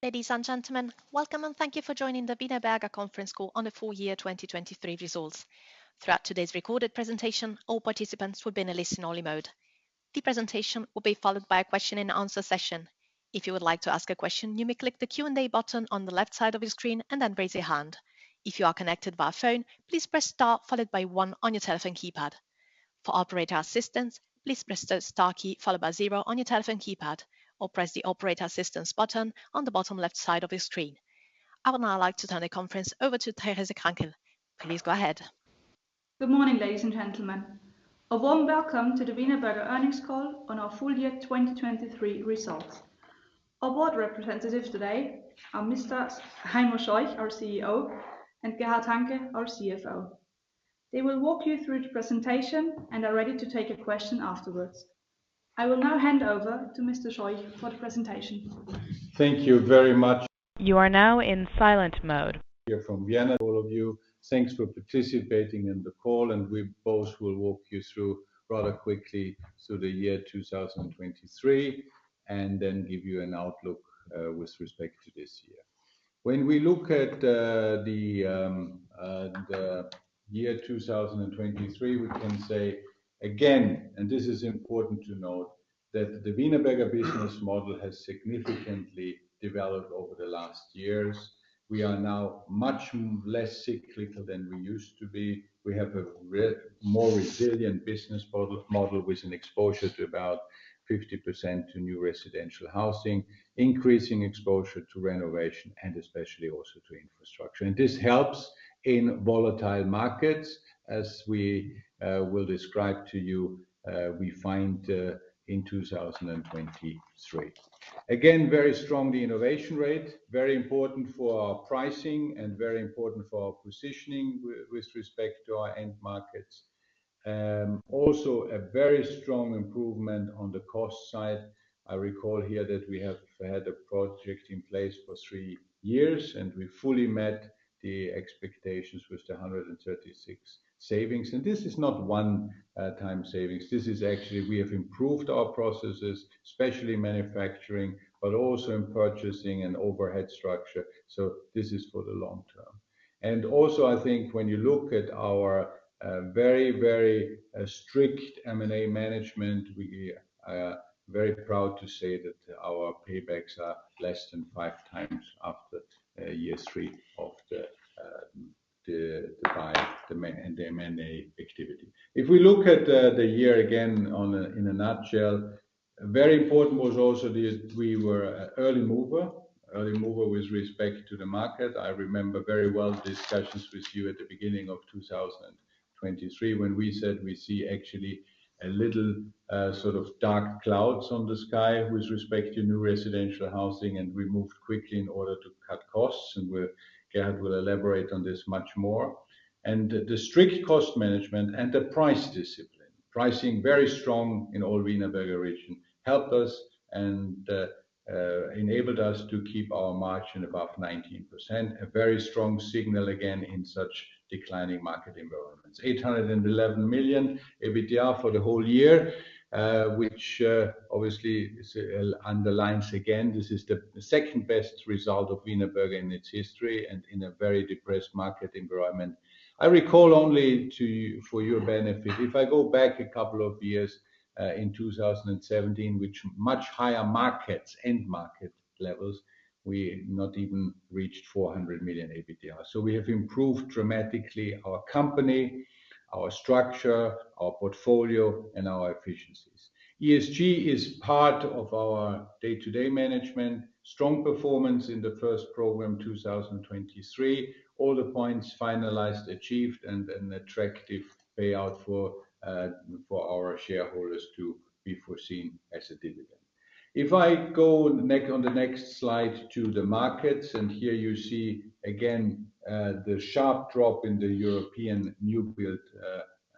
Ladies and gentlemen, welcome and thank you for joining the Wienerberger Conference Call on the full year 2023 results. Throughout today's recorded presentation, all participants will be in a listen-only mode. The presentation will be followed by a question-and-answer session. If you would like to ask a question, you may click the Q&A button on the left side of your screen and then raise your hand. If you are connected via phone, please press star followed by one on your telephone keypad. For operator assistance, please press the star key followed by zero on your telephone keypad, or press the Operator Assistance button on the bottom left side of your screen. I would now like to turn the conference over to Therese Jandér. Please go ahead. Good morning, ladies and gentlemen. A warm welcome to the Wienerberger Earnings Call on our full year 2023 results. Our board representatives today are Mr. Heimo Scheuch our CEO, and Gerhard Hanke our CFO. They will walk you through the presentation and are ready to take a question afterwards. I will now hand over to Mr. Scheuch for the presentation. Thank you very much. You are now in silent mode. Hello from Vienna to all of you. Thanks for participating in the call, and we both will walk you through rather quickly through the year 2023 and then give you an outlook with respect to this year. When we look at the year 2023, we can say again, and this is important to note, that the Wienerberger business model has significantly developed over the last years. We are now much less cyclical than we used to be. We have a more resilient business model with an exposure to about 50% to new residential housing, increasing exposure to renovation, and especially also to infrastructure. And this helps in volatile markets, as we will describe to you we find in 2023. Again, very strong the innovation rate, very important for pricing and very important for positioning with respect to our end markets. Also a very strong improvement on the cost side. I recall here that we have had a project in place for three years, and we fully met the expectations with the 136 savings. This is not one-time savings. This is actually we have improved our processes, especially manufacturing, but also in purchasing and overhead structure. This is for the long term. Also, I think when you look at our very, very strict M&A management, we are very proud to say that our paybacks are less than 5x after year three of the buy and the M&A activity. If we look at the year again in a nutshell, very important was also that we were an early mover, early mover with respect to the market. I remember very well discussions with you at the beginning of 2023 when we said we see actually a little sort of dark clouds on the sky with respect to new residential housing, and we moved quickly in order to cut costs. Gerhard will elaborate on this much more. The strict cost management and the price discipline, pricing very strong in all Wienerberger region, helped us and enabled us to keep our margin above 19%, a very strong signal again in such declining market environments. 811 million EBITDA for the whole year, which obviously underlines again this is the second best result of Wienerberger in its history and in a very depressed market environment. I recall only to you, for your benefit, if I go back a couple of years in 2017, which much higher markets, end market levels, we not even reached 400 million EBITDA. So we have improved dramatically our company, our structure, our portfolio, and our efficiencies. ESG is part of our day-to-day management. Strong performance in the first program 2023, all the points finalized, achieved and an attractive payout for our shareholders to be foreseen as a dividend. If I go on the next slide to the markets, and here you see again the sharp drop in the European new build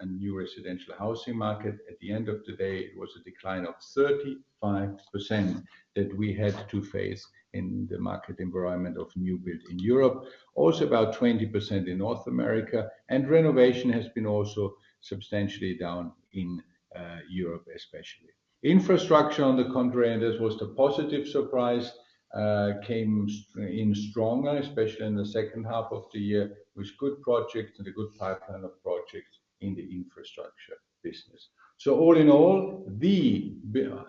and new residential housing market. At the end of the day, it was a decline of 35% that we had to face in the market environment of new build in Europe, also about 20% in North America, and renovation has been also substantially down in Europe, especially. Infrastructure, on the contrary, and this was the positive surprise, came in stronger, especially in the second half of the year with good projects and a good pipeline of projects in the infrastructure business. So all in all, the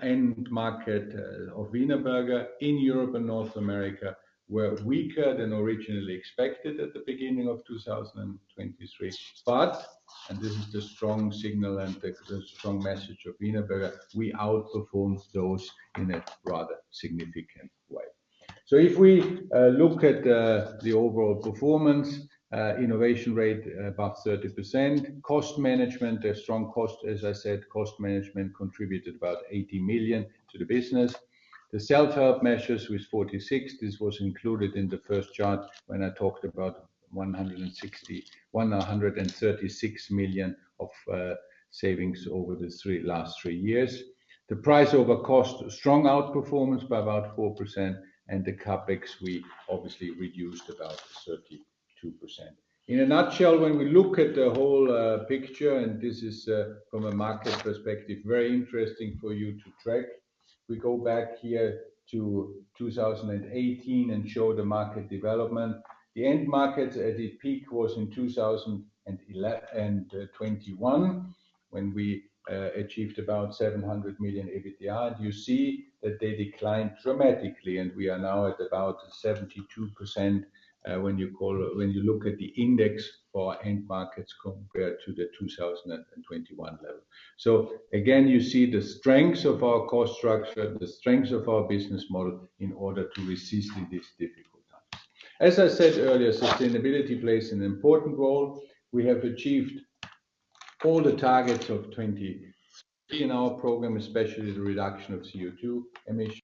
end market of Wienerberger in Europe and North America were weaker than originally expected at the beginning of 2023. But, and this is the strong signal and the strong message of Wienerberger, we outperformed those in a rather significant way. So if we look at the overall performance, innovation rate above 30%, cost management, a strong cost as I said, cost management contributed about 80 million to the business. The self-help measures with 46 million, this was included in the first chart when I talked about 136 million of savings over the last three years. The price over cost, strong outperformance by about 4%, and the capex we obviously reduced about 32%. In a nutshell, when we look at the whole picture, and this is from a market perspective, very interesting for you to track. We go back here to 2018 and show the market development. The end market at its peak was in 2021 when we achieved about 700 million EBITDA. You see that they declined dramatically, and we are now at about 72% when you look at the index for end markets compared to the 2021 level. So again, you see the strengths of our cost structure, the strengths of our business model in order to resist in these difficult times. As I said earlier, sustainability plays an important role. We have achieved all the targets of 2023 in our program, especially the reduction of CO2 emissions,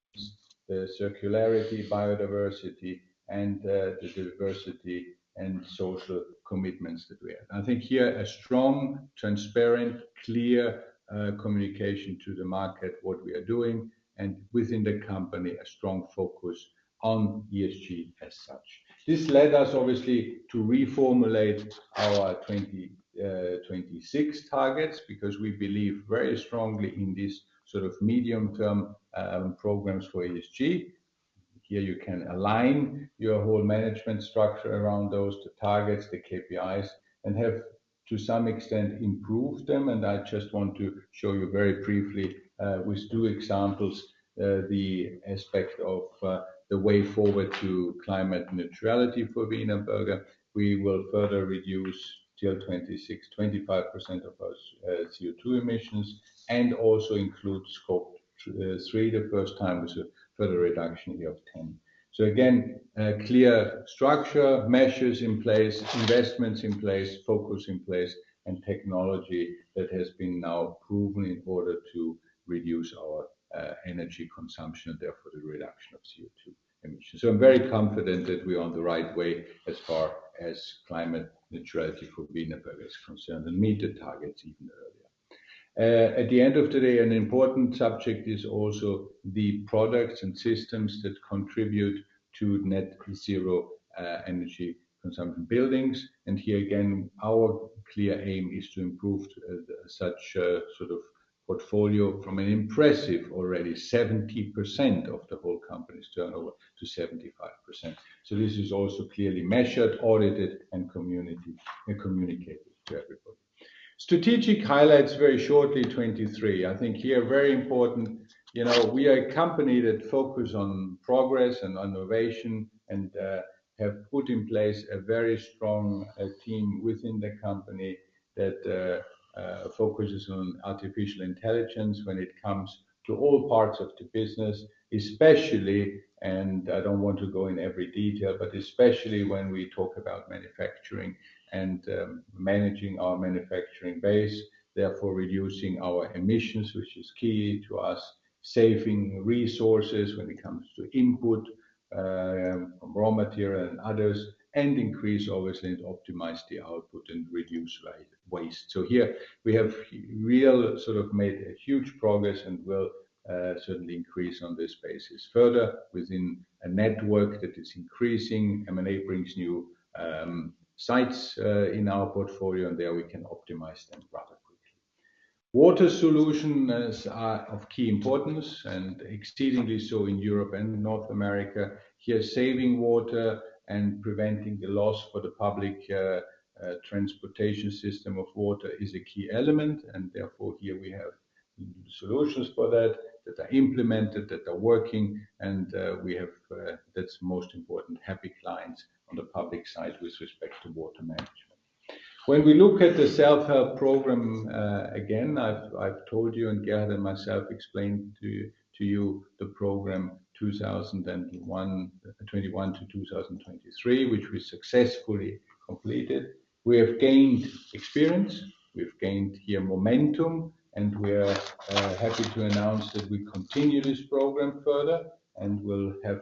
circularity, biodiversity, and the diversity and social commitments that we have. I think here a strong, transparent, clear communication to the market what we are doing, and within the company, a strong focus on ESG as such. This led us obviously to reformulate our 2026 targets because we believe very strongly in these sort of medium-term programs for ESG. Here you can align your whole management structure around those, the targets, the KPIs, and have to some extent improved them. I just want to show you very briefly with two examples the aspect of the way forward to climate neutrality for Wienerberger. We will further reduce till 2026 25% of our CO2 emissions and also include Scope 3 the first time with a further reduction here of 10. Again, clear structure, measures in place, investments in place, focus in place, and technology that has been now proven in order to reduce our energy consumption and therefore the reduction of CO2 emissions. So I'm very confident that we are on the right way as far as climate neutrality for Wienerberger is concerned and meet the targets even earlier. At the end of today, an important subject is also the products and systems that contribute to net zero energy consumption buildings. And here again, our clear aim is to improve such sort of portfolio from an impressive already 70% of the whole company's turnover to 75%. So this is also clearly measured, audited, and communicated to everybody. Strategic highlights very shortly 2023. I think here, very important, we are a company that focuses on progress and on innovation and have put in place a very strong team within the company that focuses on artificial intelligence when it comes to all parts of the business, especially, and I don't want to go in every detail, but especially when we talk about manufacturing and managing our manufacturing base, therefore reducing our emissions, which is key to us, saving resources when it comes to input from raw material and others, and increase obviously and optimize the output and reduce waste. So here we have real sort of made a huge progress and will certainly increase on this basis further within a network that is increasing. M&A brings new sites in our portfolio, and there we can optimize them rather quickly. Water solutions are of key importance and exceedingly so in Europe and North America. Here, saving water and preventing the loss for the public transportation system of water is a key element. And therefore here we have solutions for that that are implemented, that are working, and we have, that's most important, happy clients on the public side with respect to water management. When we look at the self-help program again, I've told you and Gerhard and myself explained to you the program 2021 - 2023, which we successfully completed. We have gained experience. We've gained here momentum, and we are happy to announce that we continue this program further and will have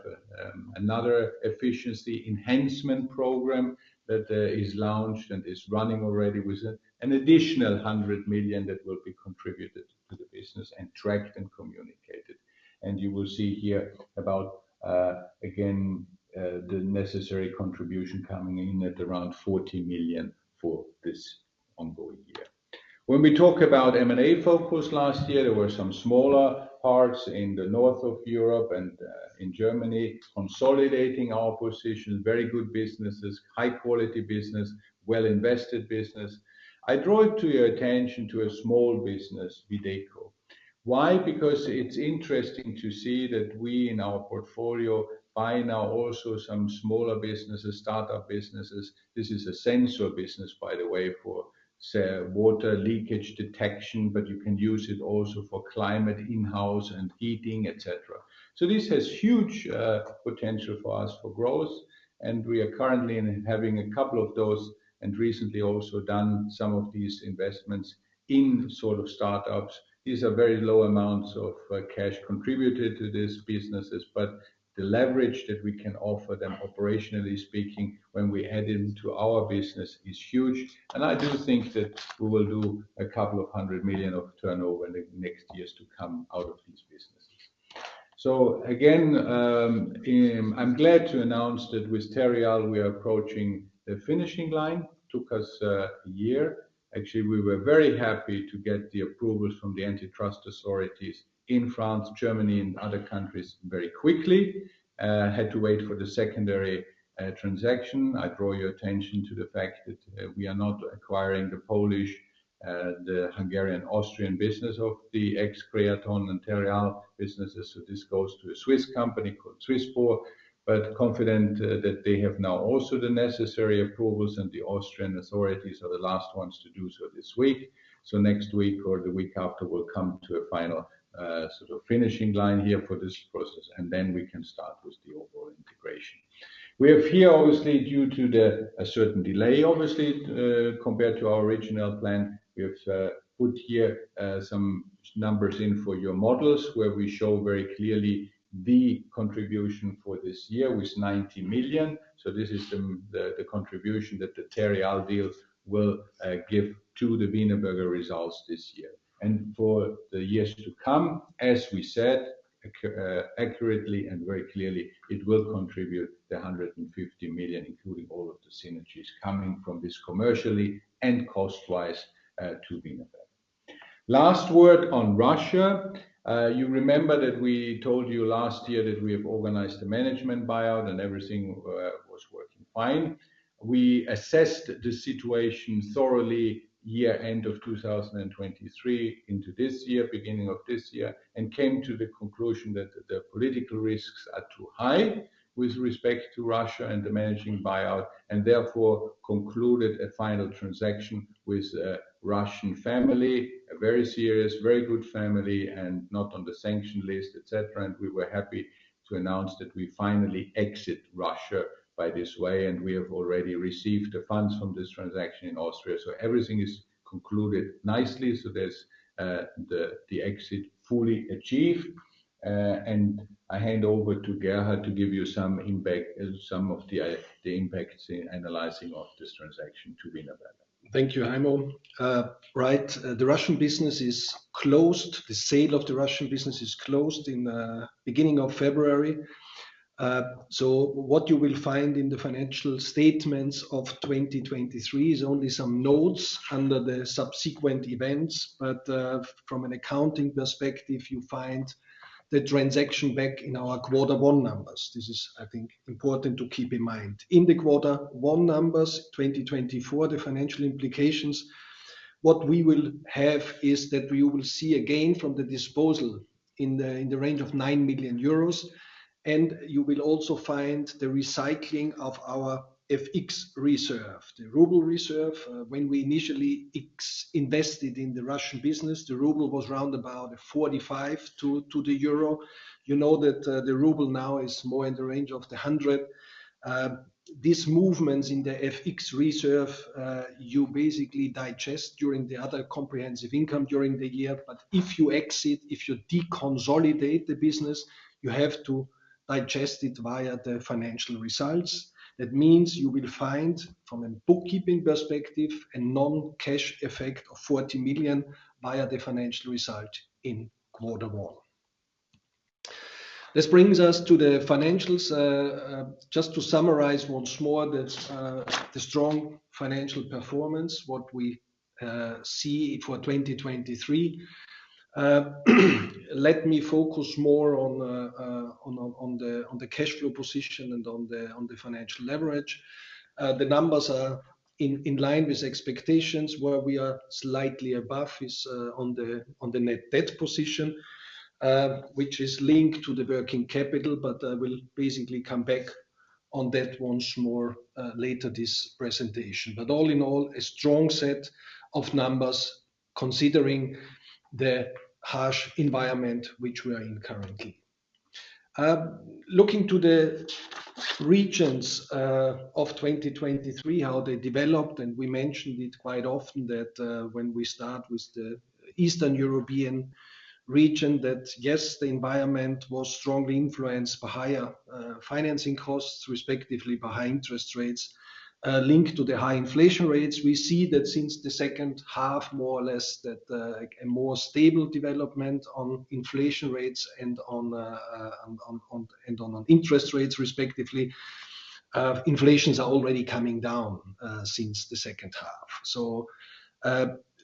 another efficiency enhancement program that is launched and is running already with an additional 100 million that will be contributed to the business and tracked and communicated. And you will see here about again the necessary contribution coming in at around 40 million for this ongoing year. When we talk about M&A focus last year, there were some smaller parts in the north of Europe and in Germany consolidating our position, very good businesses, high-quality business, well-invested business. I draw it to your attention to a small business, Wideco. Why? Because it's interesting to see that we in our portfolio buy now also some smaller businesses, startup businesses. This is a sensor business, by the way, for water leakage detection, but you can use it also for climate in-house and heating, etc. So this has huge potential for us for growth, and we are currently having a couple of those and recently also done some of these investments in sort of startups. These are very low amounts of cash contributed to these businesses, but the leverage that we can offer them operationally speaking when we add them to our business is huge. And I do think that we will do a couple of 100 million of turnover in the next years to come out of these businesses. So again, I'm glad to announce that with Terreal we are approaching the finishing line. It took us a year. Actually, we were very happy to get the approvals from the antitrust authorities in France, Germany, and other countries very quickly. I had to wait for the secondary transaction. I draw your attention to the fact that we are not acquiring the Polish, the Hungarian, Austrian business of the ex-Creaton and Terreal businesses. So this goes to a Swiss company called SwissBorg, but confident that they have now also the necessary approvals, and the Austrian authorities are the last ones to do so this week. So next week or the week after will come to a final sort of finishing line here for this process, and then we can start with the overall integration. We have here obviously due to a certain delay, obviously compared to our original plan, we have put here some numbers in for your models where we show very clearly the contribution for this year with 90 million. So this is the contribution that the Terreal deal will give to the Wienerberger results this year. And for the years to come, as we said accurately and very clearly, it will contribute the 150 million, including all of the synergies coming from this commercially and cost-wise to Wienerberger. Last word on Russia. You remember that we told you last year that we have organized the management buyout and everything was working fine. We assessed the situation thoroughly year-end of 2023 into this year, beginning of this year, and came to the conclusion that the political risks are too high with respect to Russia and the managing buyout, and therefore concluded a final transaction with a Russian family, a very serious, very good family, and not on the sanction list, etc. We were happy to announce that we finally exit Russia by this way, and we have already received the funds from this transaction in Austria. So everything is concluded nicely. So there's the exit fully achieved. I hand over to Gerhard to give you some impact, some of the impacts in analyzing this transaction to Wienerberger. Thank you, Heimo. Right. The Russian business is closed. The sale of the Russian business is closed in the beginning of February. So what you will find in the financial statements of 2023 is only some notes under the subsequent events, but from an accounting perspective, you find the transaction back in our quarter one numbers. This is, I think, important to keep in mind. In the quarter one numbers 2024, the financial implications, what we will have is that you will see again from the disposal in the range of 9 million euros, and you will also find the recycling of our FX reserve, the ruble reserve. When we initially invested in the Russian business, the ruble was round about 45 to the euro. You know that the ruble now is more in the range of the 100. These movements in the FX reserve you basically digest during the other comprehensive income during the year. But if you exit, if you deconsolidate the business, you have to digest it via the financial results. That means you will find from a bookkeeping perspective a non-cash effect of 40 million via the financial result in quarter one. This brings us to the financials. Just to summarize once more the strong financial performance, what we see for 2023. Let me focus more on the cash flow position and on the financial leverage. The numbers are in line with expectations. Where we are slightly above is on the net debt position, which is linked to the working capital, but I will basically come back on that once more later this presentation. But all in all, a strong set of numbers considering the harsh environment which we are in currently. Looking to the regions of 2023, how they developed, and we mentioned it quite often that when we start with the Eastern European region, that yes, the environment was strongly influenced by higher financing costs, respectively by high interest rates linked to the high inflation rates. We see that since the second half, more or less, that a more stable development on inflation rates and on interest rates, respectively. Inflation is already coming down since the second half. So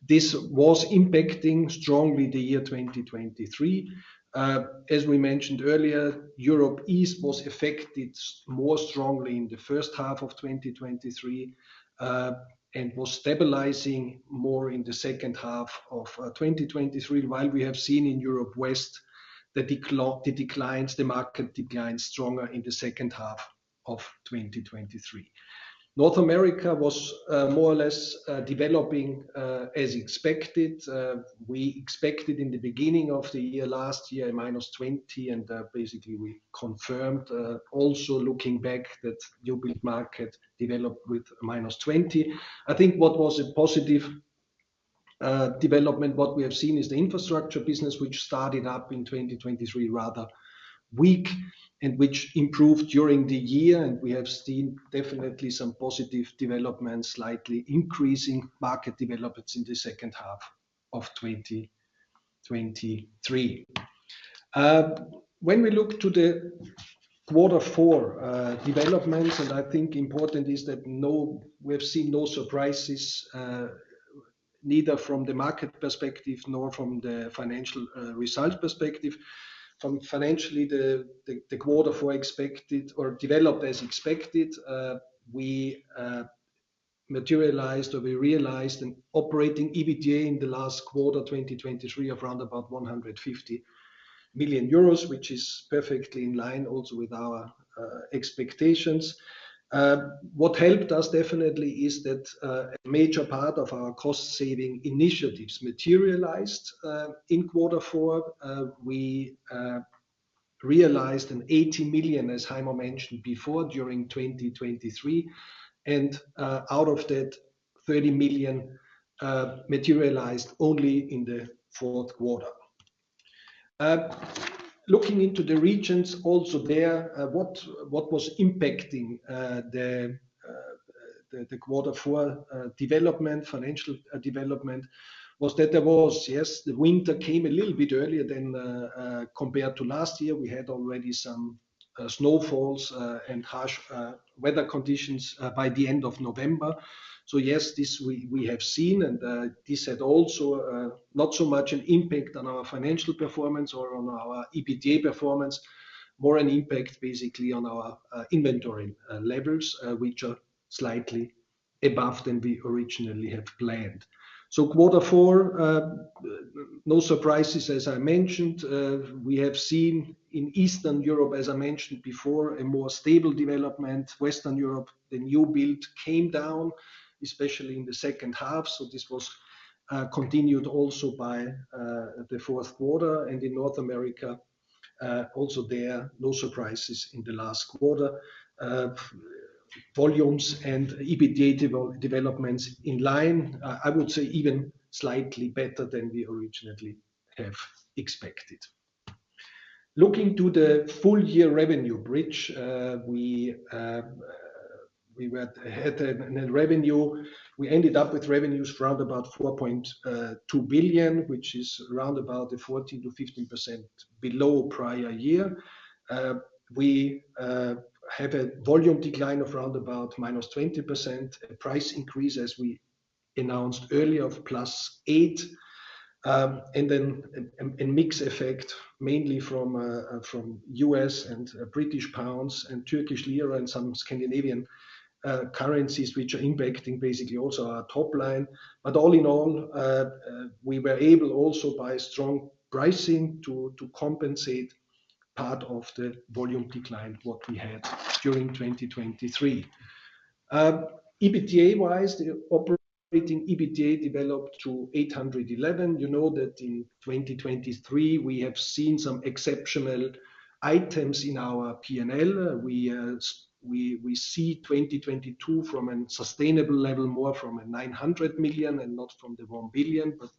this was impacting strongly the year 2023. As we mentioned earlier, Europe East was affected more strongly in the first half of 2023 and was stabilizing more in the second half of 2023, while we have seen in Europe West the declines, the market declines stronger in the second half of 2023. North America was more or less developing as expected. We expected in the beginning of the year last year a -20%, and basically we confirmed also looking back that new build market developed with a -20%. I think what was a positive development, what we have seen, is the infrastructure business, which started up in 2023 rather weak and which improved during the year. We have seen definitely some positive developments, slightly increasing market developments in the second half of 2023. When we look to the quarter four developments, and I think important is that we have seen no surprises neither from the market perspective nor from the financial result perspective. Financially, the quarter four developed as expected. We materialized or we realized an operating EBITDA in the last quarter 2023 of round about 150 million euros, which is perfectly in line also with our expectations. What helped us definitely is that a major part of our cost-saving initiatives materialized in quarter four. We realized 80 million, as Heimo mentioned before during 2023. And out of that, 30 million materialized only in the fourth quarter. Looking into the regions also there, what was impacting the quarter four development, financial development, was that there was yes, the winter came a little bit earlier than compared to last year. We had already some snowfalls and harsh weather conditions by the end of November. So yes, this we have seen. And this had also not so much an impact on our financial performance or on our EBITDA performance, more an impact basically on our inventory levels, which are slightly above than we originally have planned. So quarter four, no surprises, as I mentioned. We have seen in Eastern Europe, as I mentioned before, a more stable development. Western Europe, the new build came down, especially in the second half. So this was continued also by the fourth quarter. And in North America, also there, no surprises in the last quarter. Volumes and EBITDA developments in line, I would say even slightly better than we originally have expected. Looking to the full-year revenue bridge, we had a net revenue. We ended up with revenues round about 4.2 billion, which is round about 14%-15% below prior year. We have a volume decline of round about -20%, a price increase, as we announced earlier of +8%. And then a mixed effect mainly from U.S. and British pounds and Turkish lira and some Scandinavian currencies, which are impacting basically also our top line. But all in all, we were able also by strong pricing to compensate part of the volume decline what we had during 2023. EBITDA-wise, the operating EBITDA developed to 811 million. You know that in 2023, we have seen some exceptional items in our P&L. We see 2022 from a sustainable level, more from a 900 million and not from the 1 billion. But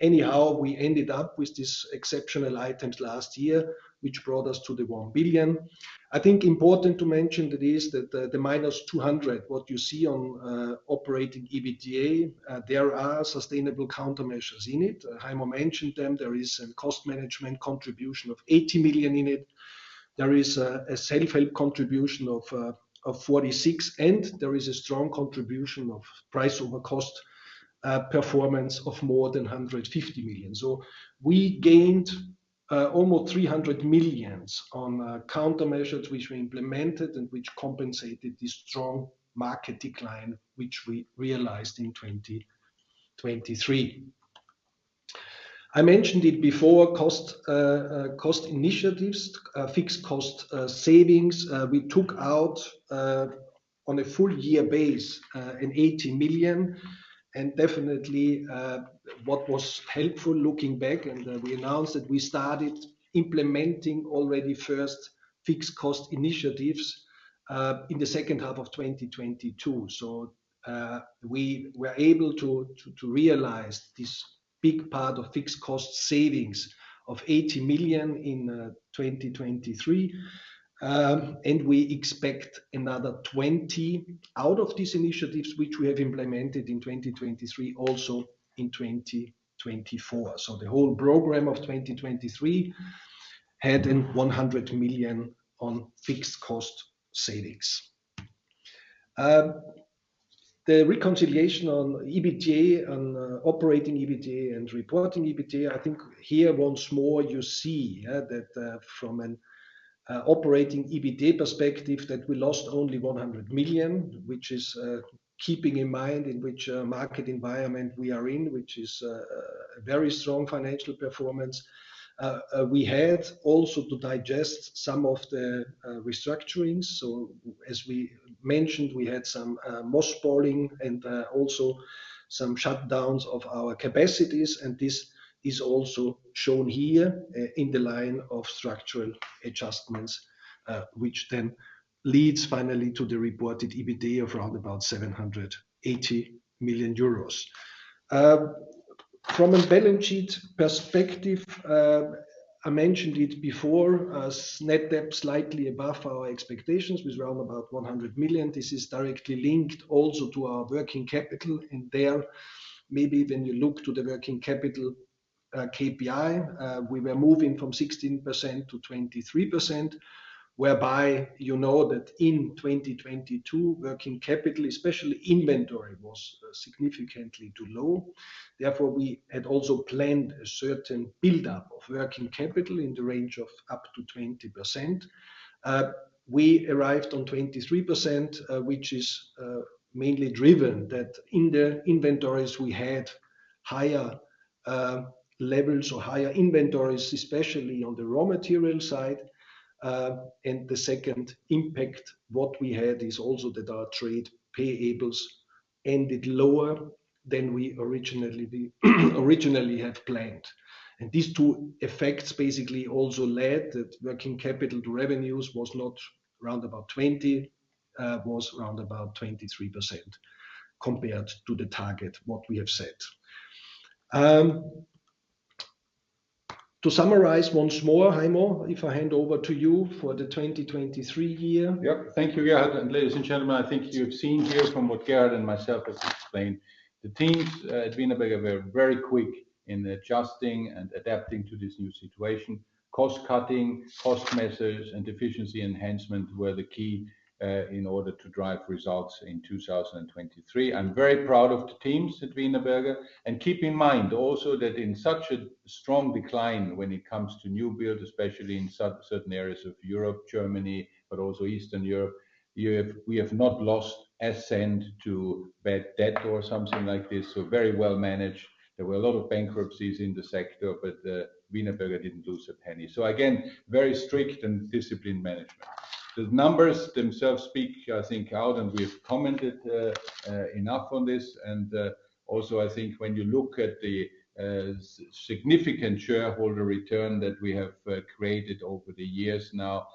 anyhow, we ended up with these exceptional items last year, which brought us to the 1 billion. I think important to mention that is that the -200 million, what you see on operating EBITDA, there are sustainable countermeasures in it. Heimo mentioned them. There is a cost management contribution of 80 million in it. There is a self-help contribution of 46 million, and there is a strong contribution of price over cost performance of more than 150 million. So we gained almost 300 million on countermeasures which we implemented and which compensated this strong market decline which we realized in 2023. I mentioned it before, cost initiatives, fixed cost savings. We took out on a full-year base 80 million. And definitely, what was helpful looking back, and we announced that we started implementing already first fixed cost initiatives in the second half of 2022. So we were able to realize this big part of fixed cost savings of 80 million in 2023. And we expect another 20 million out of these initiatives which we have implemented in 2023 also in 2024. So the whole program of 2023 had 100 million on fixed cost savings. The reconciliation on EBITDA, on operating EBITDA and reporting EBITDA, I think here once more you see that from an operating EBITDA perspective that we lost only 100 million, which is keeping in mind in which market environment we are in, which is a very strong financial performance. We had also to digest some of the restructurings. So as we mentioned, we had some Mossballing and also some shutdowns of our capacities. And this is also shown here in the line of structural adjustments, which then leads finally to the reported EBITDA of round about 780 million euros. From a balance sheet perspective, I mentioned it before, net debt slightly above our expectations with round about 100 million. This is directly linked also to our working capital. There, maybe when you look to the working capital KPI, we were moving from 16%-23%, whereby you know that in 2022, working capital, especially inventory, was significantly too low. Therefore, we had also planned a certain buildup of working capital in the range of up to 20%. We arrived on 23%, which is mainly driven that in the inventories, we had higher levels or higher inventories, especially on the raw materials side. The second impact what we had is also that our trade payables ended lower than we originally had planned. These two effects basically also led that working capital revenues was not round about 20%, was round about 23% compared to the target what we have set. To summarize once more, Heimo, if I hand over to you for the 2023 year. Yep. Thank you, Gerhard. Ladies and gentlemen, I think you have seen here from what Gerhard and myself have explained, the teams at Wienerberger were very quick in adjusting and adapting to this new situation. Cost cutting, cost measures, and efficiency enhancement were the key in order to drive results in 2023. I'm very proud of the teams at Wienerberger. Keep in mind also that in such a strong decline when it comes to new build, especially in certain areas of Europe, Germany, but also Eastern Europe, we have not lost a cent to bad debt or something like this. So very well managed. There were a lot of bankruptcies in the sector, but Wienerberger didn't lose a penny. So again, very strict and disciplined management. The numbers themselves speak, I think, out, and we have commented enough on this. And also, I think when you look at the significant shareholder return that we have created over the years now,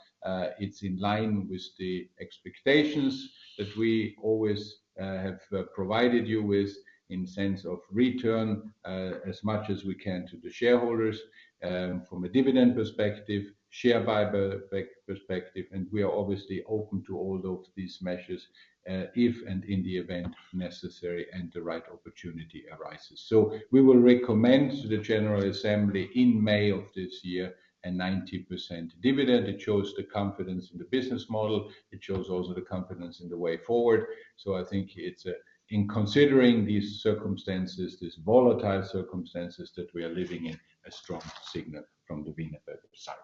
it's in line with the expectations that we always have provided you with in sense of return as much as we can to the shareholders from a dividend perspective, share buyback perspective. And we are obviously open to all of these measures if and in the event necessary and the right opportunity arises. So we will recommend to the General Assembly in May of this year a 90% dividend. It shows the confidence in the business model. It shows also the confidence in the way forward. So I think it's in considering these circumstances, these volatile circumstances that we are living in, a strong signal from the Wienerberger side.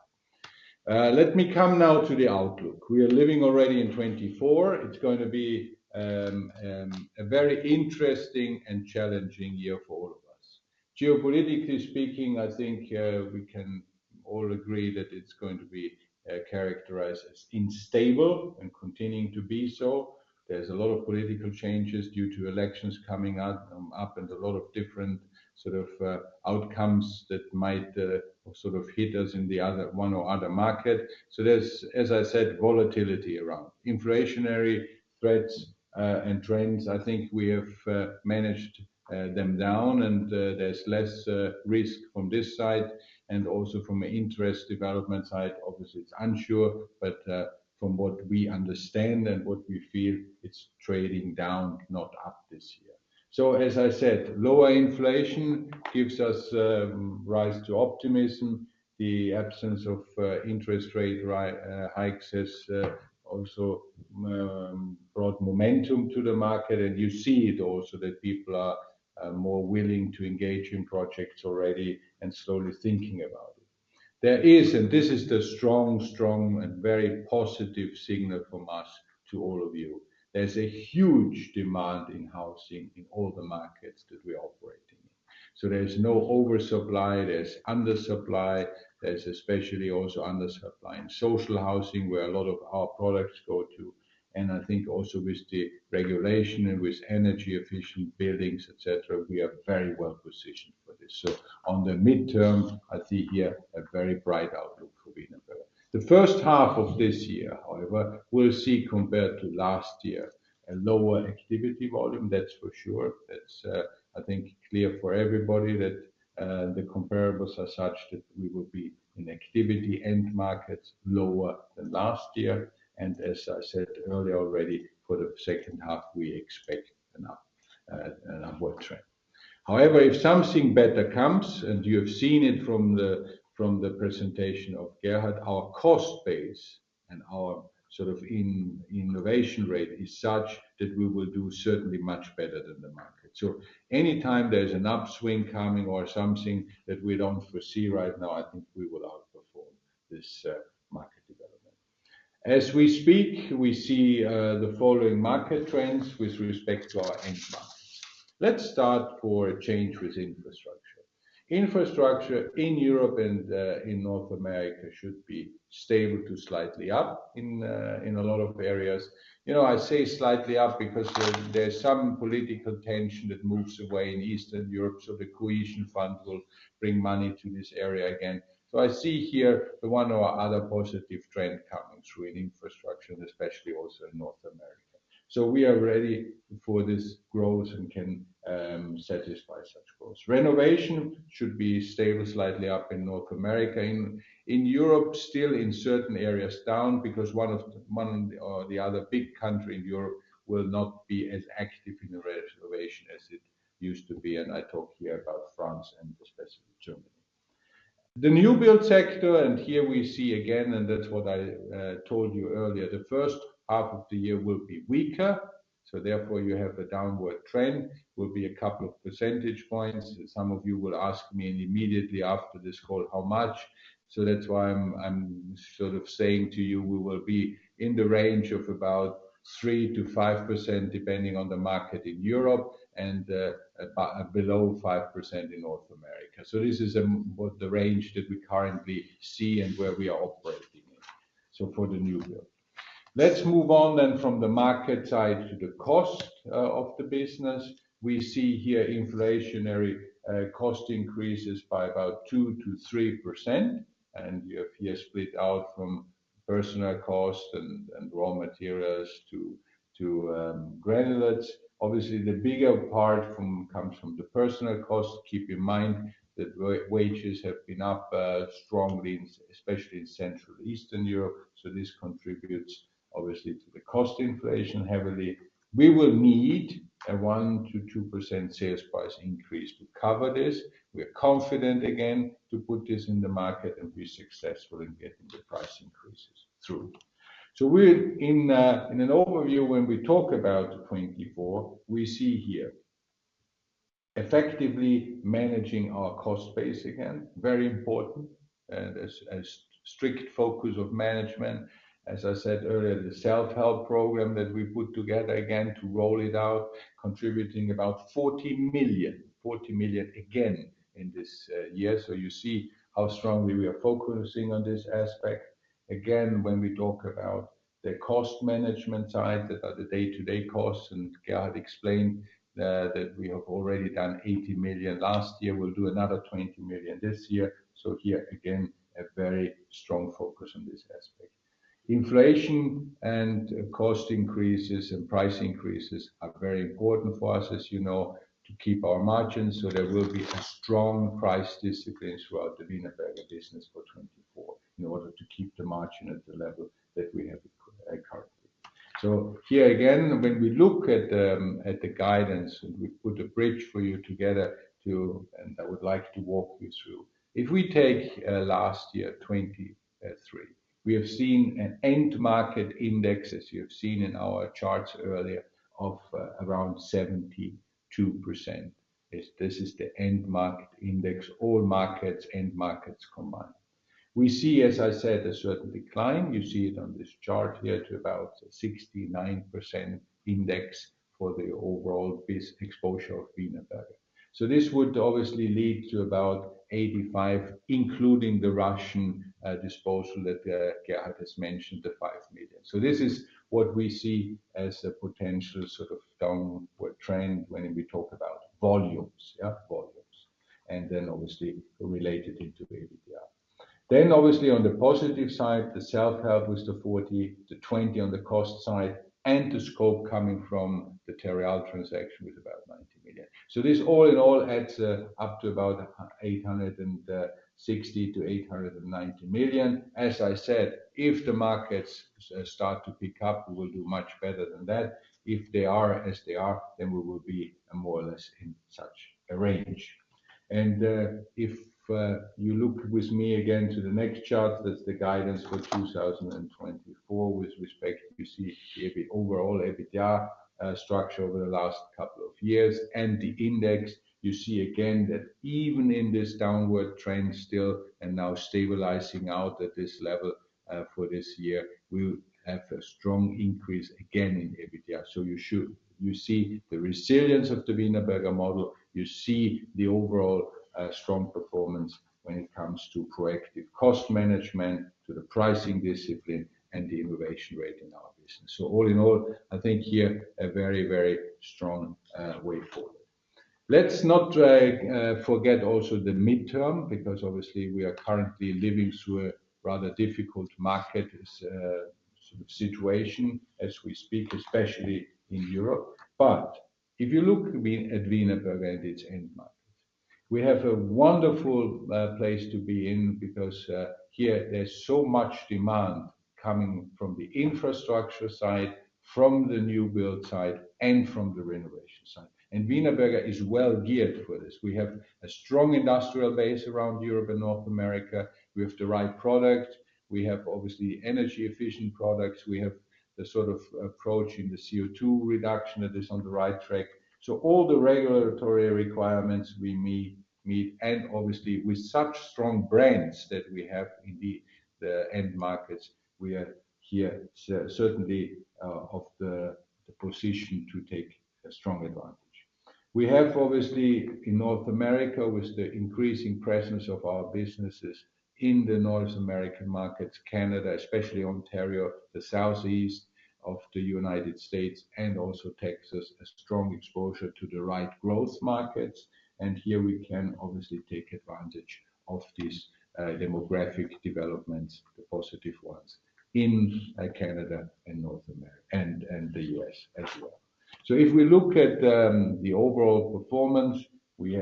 Let me come now to the outlook. We are living already in 2024. It's going to be a very interesting and challenging year for all of us. Geopolitically speaking, I think we can all agree that it's going to be characterized as unstable and continuing to be so. There's a lot of political changes due to elections coming up and a lot of different sort of outcomes that might sort of hit us in the one or other market. So there's, as I said, volatility around. Inflationary threats and trends, I think we have managed them down, and there's less risk from this side. Also from an interest development side, obviously, it's unsure. But from what we understand and what we feel, it's trading down, not up this year. So as I said, lower inflation gives us rise to optimism. The absence of interest rate hikes has also brought momentum to the market. And you see it also that people are more willing to engage in projects already and slowly thinking about it. There is, and this is the strong, strong, and very positive signal from us to all of you, there's a huge demand in housing in all the markets that we are operating in. So there's no oversupply. There's undersupply. There's especially also undersupply in social housing where a lot of our products go to. And I think also with the regulation and with energy-efficient buildings, etc., we are very well positioned for this. So on the midterm, I see here a very bright outlook for Wienerberger. The first half of this year, however, we'll see compared to last year a lower activity volume. That's for sure. That's, I think, clear for everybody that the comparables are such that we will be in activity end markets lower than last year. As I said earlier already, for the second half, we expect an upward trend. However, if something better comes, and you have seen it from the presentation of Gerhard, our cost base and our sort of innovation rate is such that we will do certainly much better than the market. Anytime there's an upswing coming or something that we don't foresee right now, I think we will outperform this market development. As we speak, we see the following market trends with respect to our end markets. Let's start for a change with infrastructure. Infrastructure in Europe and in North America should be stable to slightly up in a lot of areas. I say slightly up because there's some political tension that moves away in Eastern Europe. The Cohesion Fund will bring money to this area again. So I see here the one or other positive trend coming through in infrastructure, especially also in North America. So we are ready for this growth and can satisfy such growth. Renovation should be stable slightly up in North America. In Europe, still in certain areas down because one or the other big country in Europe will not be as active in the renovation as it used to be. And I talk here about France and especially Germany. The new build sector, and here we see again, and that's what I told you earlier, the first half of the year will be weaker. So therefore, you have a downward trend. It will be a couple of percentage points. Some of you will ask me immediately after this call how much. So that's why I'm sort of saying to you we will be in the range of about 3%-5% depending on the market in Europe and below 5% in North America. So this is the range that we currently see and where we are operating in so for the new build. Let's move on then from the market side to the cost of the business. We see here inflationary cost increases by about 2%-3%. You have here split out from personal cost and raw materials to granulates. Obviously, the bigger part comes from the personal cost. Keep in mind that wages have been up strongly, especially in Central Eastern Europe. So this contributes, obviously, to the cost inflation heavily. We will need a 1%-2% sales price increase to cover this. We are confident again to put this in the market, and we're successful in getting the price increases through. So in an overview, when we talk about 2024, we see here effectively managing our cost base again, very important, and as a strict focus of management. As I said earlier, the self-help program that we put together again to roll it out, contributing about 40 million, 40 million again in this year. So you see how strongly we are focusing on this aspect. Again, when we talk about the cost management side, that are the day-to-day costs. And Gerhard explained that we have already done 80 million last year. We'll do another 20 million this year. So here again, a very strong focus on this aspect. Inflation and cost increases and price increases are very important for us, as you know, to keep our margins. So there will be a strong price discipline throughout the Wienerberger business for 2024 in order to keep the margin at the level that we have currently. So here again, when we look at the guidance, and we put a bridge for you together to, and I would like to walk you through, if we take last year, 2023, we have seen an end market index, as you have seen in our charts earlier, of around 72%. This is the end market index, all markets, end markets combined. We see, as I said, a certain decline. You see it on this chart here to about a 69% index for the overall exposure of Wienerberger. So this would obviously lead to about 85 million, including the Russian disposal that Gerhard has mentioned, the 5 million. So this is what we see as a potential sort of downward trend when we talk about volumes, volumes, and then obviously related into EBITDA. Then obviously on the positive side, the self-help was the 40 million, the 20 million on the cost side, and the scope coming from the Terreal transaction with about 90 million. So this all in all adds up to about 860 million-890 million. As I said, if the markets start to pick up, we will do much better than that. If they are as they are, then we will be more or less in such a range. And if you look with me again to the next chart, that's the guidance for 2024 with respect you see the overall EBITDA structure over the last couple of years and the index. You see again that even in this downward trend still and now stabilizing out at this level for this year, we have a strong increase again in EBITDA. So you see the resilience of the Wienerberger model. You see the overall strong performance when it comes to proactive cost management, to the pricing discipline, and the innovation rate in our business. So all in all, I think here a very, very strong way forward. Let's not forget also the midterm because obviously we are currently living through a rather difficult market sort of situation as we speak, especially in Europe. But if you look at Wienerberger and its end markets, we have a wonderful place to be in because here there's so much demand coming from the infrastructure side, from the new build side, and from the renovation side. Wienerberger is well geared for this. We have a strong industrial base around Europe and North America. We have the right products. We have obviously energy-efficient products. We have the sort of approach in the CO2 reduction that is on the right track. So all the regulatory requirements we meet and obviously with such strong brands that we have in the end markets, we are here certainly of the position to take a strong advantage. We have obviously in North America with the increasing presence of our businesses in the North American markets, Canada, especially Ontario, the Southeast of the United States, and also Texas, a strong exposure to the right growth markets. And here we can obviously take advantage of these demographic developments, the positive ones in Canada and North America and the US as well. So if we look at the overall performance, we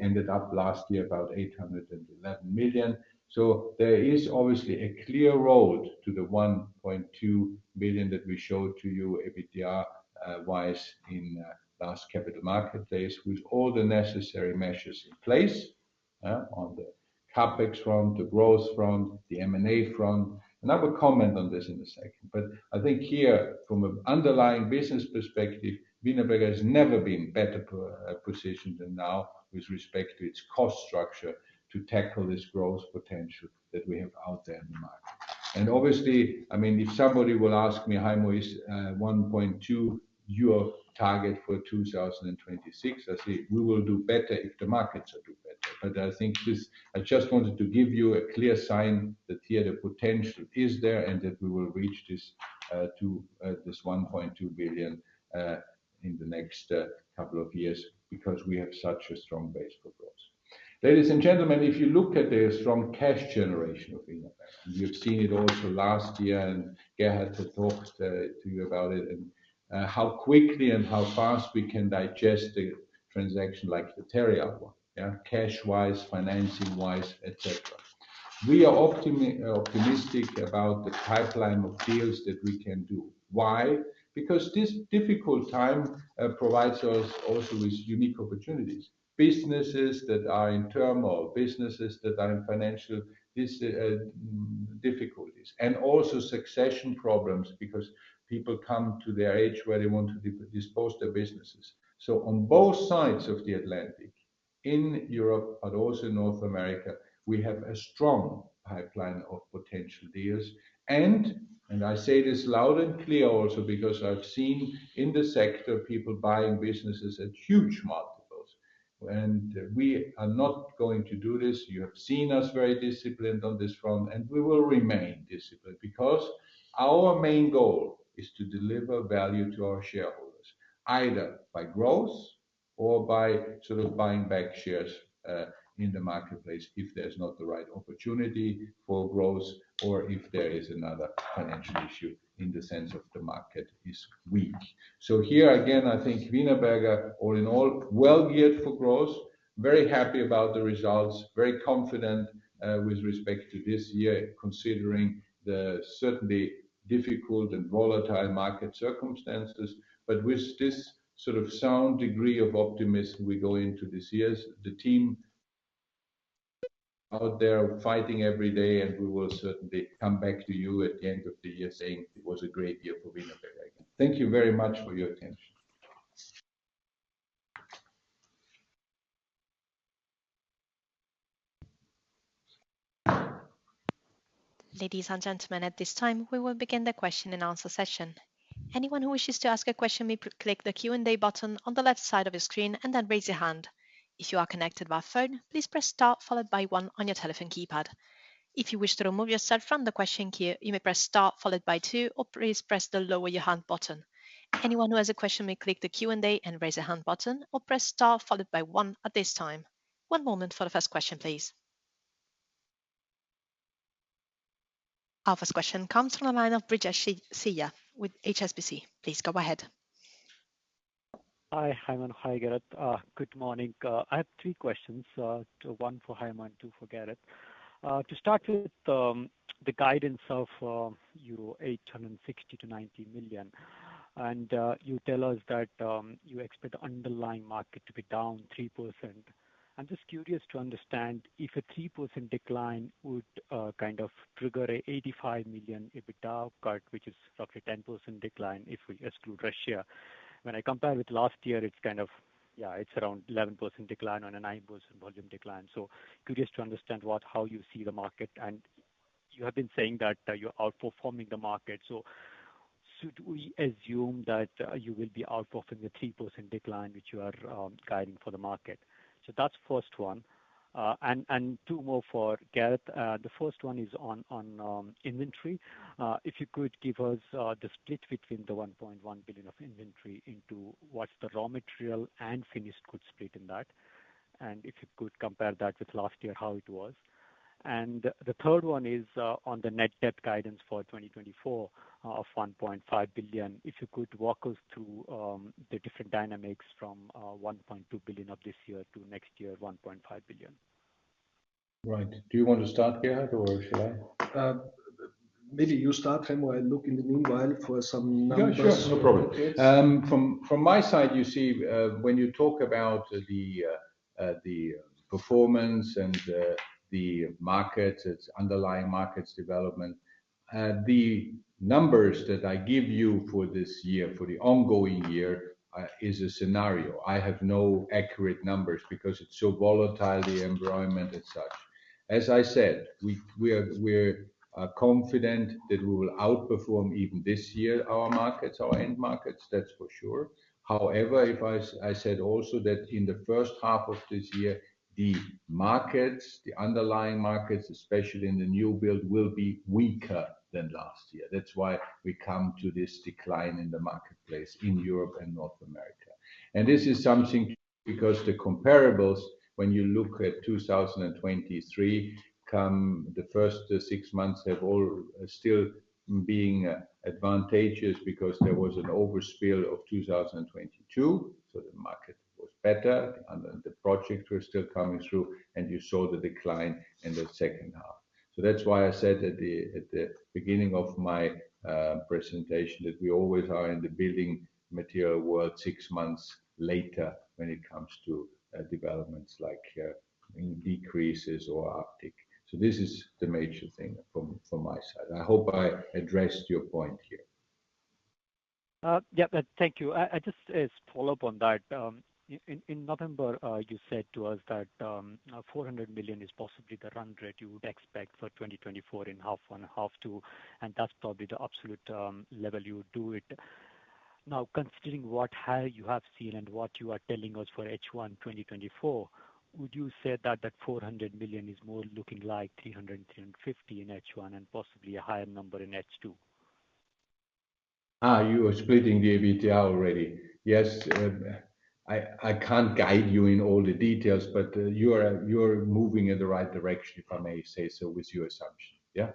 ended up last year about 811 million. There is obviously a clear road to the 1.2 million that we showed to you EBITDA-wise in last capital marketplace with all the necessary measures in place on the CapEx front, the growth front, the M&A front. I will comment on this in a second. I think here from an underlying business perspective, Wienerberger has never been better positioned than now with respect to its cost structure to tackle this growth potential that we have out there in the market. And obviously, I mean, if somebody will ask me, "Heimo, is 1.2 billion your target for 2026?" I say, "We will do better if the markets are doing better." But I think this I just wanted to give you a clear sign that here the potential is there and that we will reach this 1.2 billion in the next couple of years because we have such a strong base for growth. Ladies and gentlemen, if you look at the strong cash generation of Wienerberger, and you have seen it also last year, and Gerhard talked to you about it, and how quickly and how fast we can digest a transaction like the Terreal one, cash-wise, financing-wise, etc., we are optimistic about the pipeline of deals that we can do. Why? Because this difficult time provides us also with unique opportunities: businesses that are in term or businesses that are in financial difficulties and also succession problems because people come to their age where they want to dispose of their businesses. On both sides of the Atlantic, in Europe, but also in North America, we have a strong pipeline of potential deals. I say this loud and clear also because I've seen in the sector people buying businesses at huge multiples. We are not going to do this. You have seen us very disciplined on this front. We will remain disciplined because our main goal is to deliver value to our shareholders either by growth or by sort of buying back shares in the marketplace if there's not the right opportunity for growth or if there is another financial issue in the sense of the market is weak. So here again, I think Wienerberger, all in all, well geared for growth, very happy about the results, very confident with respect to this year considering the certainly difficult and volatile market circumstances. But with this sort of sound degree of optimism we go into this year, the team out there fighting every day, and we will certainly come back to you at the end of the year saying it was a great year for Wienerberger again. Thank you very much for your attention. Ladies and gentlemen, at this time, we will begin the question and answer session. Anyone who wishes to ask a question may click the Q&A button on the left side of your screen and then raise your hand. If you are connected via phone, please press "star" followed by "one" on your telephone keypad. If you wish to remove yourself from the question queue, you may press "star" followed by "two" or please press the "Lower Your Hand" button. Anyone who has a question may click the Q&A and raise a hand button or press "star" followed by "one" at this time. One moment for the first question, please. Our first question comes from the line of Brijesh Siya with HSBC. Please go ahead. Hi, Heimo. Hi, Gerhard. Good morning. I have three questions, one for Heimo and two for Gerhard. To start with, the guidance of your 860 million-890 million euro, and you tell us that you expect the underlying market to be down 3%. I'm just curious to understand if a 3% decline would kind of trigger an 85 million EBITDA upcut, which is roughly a 10% decline if we exclude Russia. When I compare with last year, it's kind of yeah, it's around 11% decline on a 9% volume decline. So curious to understand how you see the market. And you have been saying that you're outperforming the market. So should we assume that you will be outperforming the 3% decline which you are guiding for the market? So that's the first one. And two more for Gerhard. The first one is on inventory. If you could give us the split between the 1.1 billion of inventory into what's the raw material and finished goods split in that, and if you could compare that with last year, how it was. And the third one is on the net debt guidance for 2024 of 1.5 billion. If you could walk us through the different dynamics from 1.2 billion of this year to next year, 1.5 billion. Right. Do you want to start, Gerhard, or should I? Maybe you start, Heimo. I'll look in the meanwhile for some numbers. Yeah, sure. No problem. From my side, you see when you talk about the performance and the markets, its underlying markets development, the numbers that I give you for this year, for the ongoing year, is a scenario. I have no accurate numbers because it's so volatile, the environment and such. As I said, we are confident that we will outperform even this year our markets, our end markets. That's for sure. However, if I said also that in the first half of this year, the markets, the underlying markets, especially in the new build, will be weaker than last year. That's why we come to this decline in the marketplace in Europe and North America. And this is something because the comparables, when you look at 2023, come the first six months have all still been advantageous because there was an overspill of 2022. So the market was better. The projects were still coming through. And you saw the decline in the second half. So that's why I said at the beginning of my presentation that we always are in the building material world six months later when it comes to developments like decreases or uptick. So this is the major thing from my side. I hope I addressed your point here. Yeah, thank you. Just as a follow-up on that, in November, you said to us that 400 million is possibly the run rate you would expect for 2024 in half one, half two. And that's probably the absolute level you would do it. Now, considering what you have seen and what you are telling us for H1 2024, would you say that that 400 million is more looking like 300 million-350 million in H1 and possibly a higher number in H2? You are splitting the EBITDA already. Yes, I can't guide you in all the details, but you are moving in the right direction, if I may say so, with your assumptions. Yeah?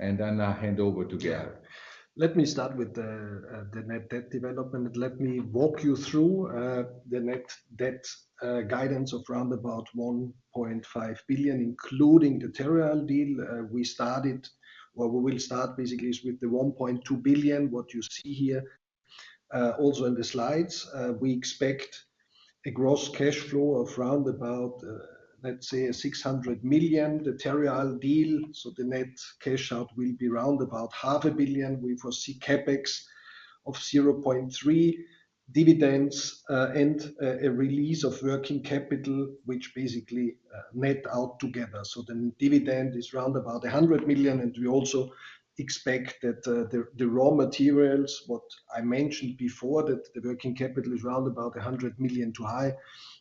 And then I'll hand over to Gerhard. Let me start with the net debt development. Let me walk you through the net debt guidance of around 1.5 billion, including the Terreal deal. We started or we will start basically with the 1.2 billion, what you see here also in the slides. We expect a gross cash flow of around let's say, 600 million. The Terreal deal, so the net cash out will be around 500 million. We foresee CapEx of 0.3 billion, dividends and a release of working capital, which basically net out together. So the dividend is around 100 million. And we also expect that the raw materials, what I mentioned before, that the working capital is around 100 million too high,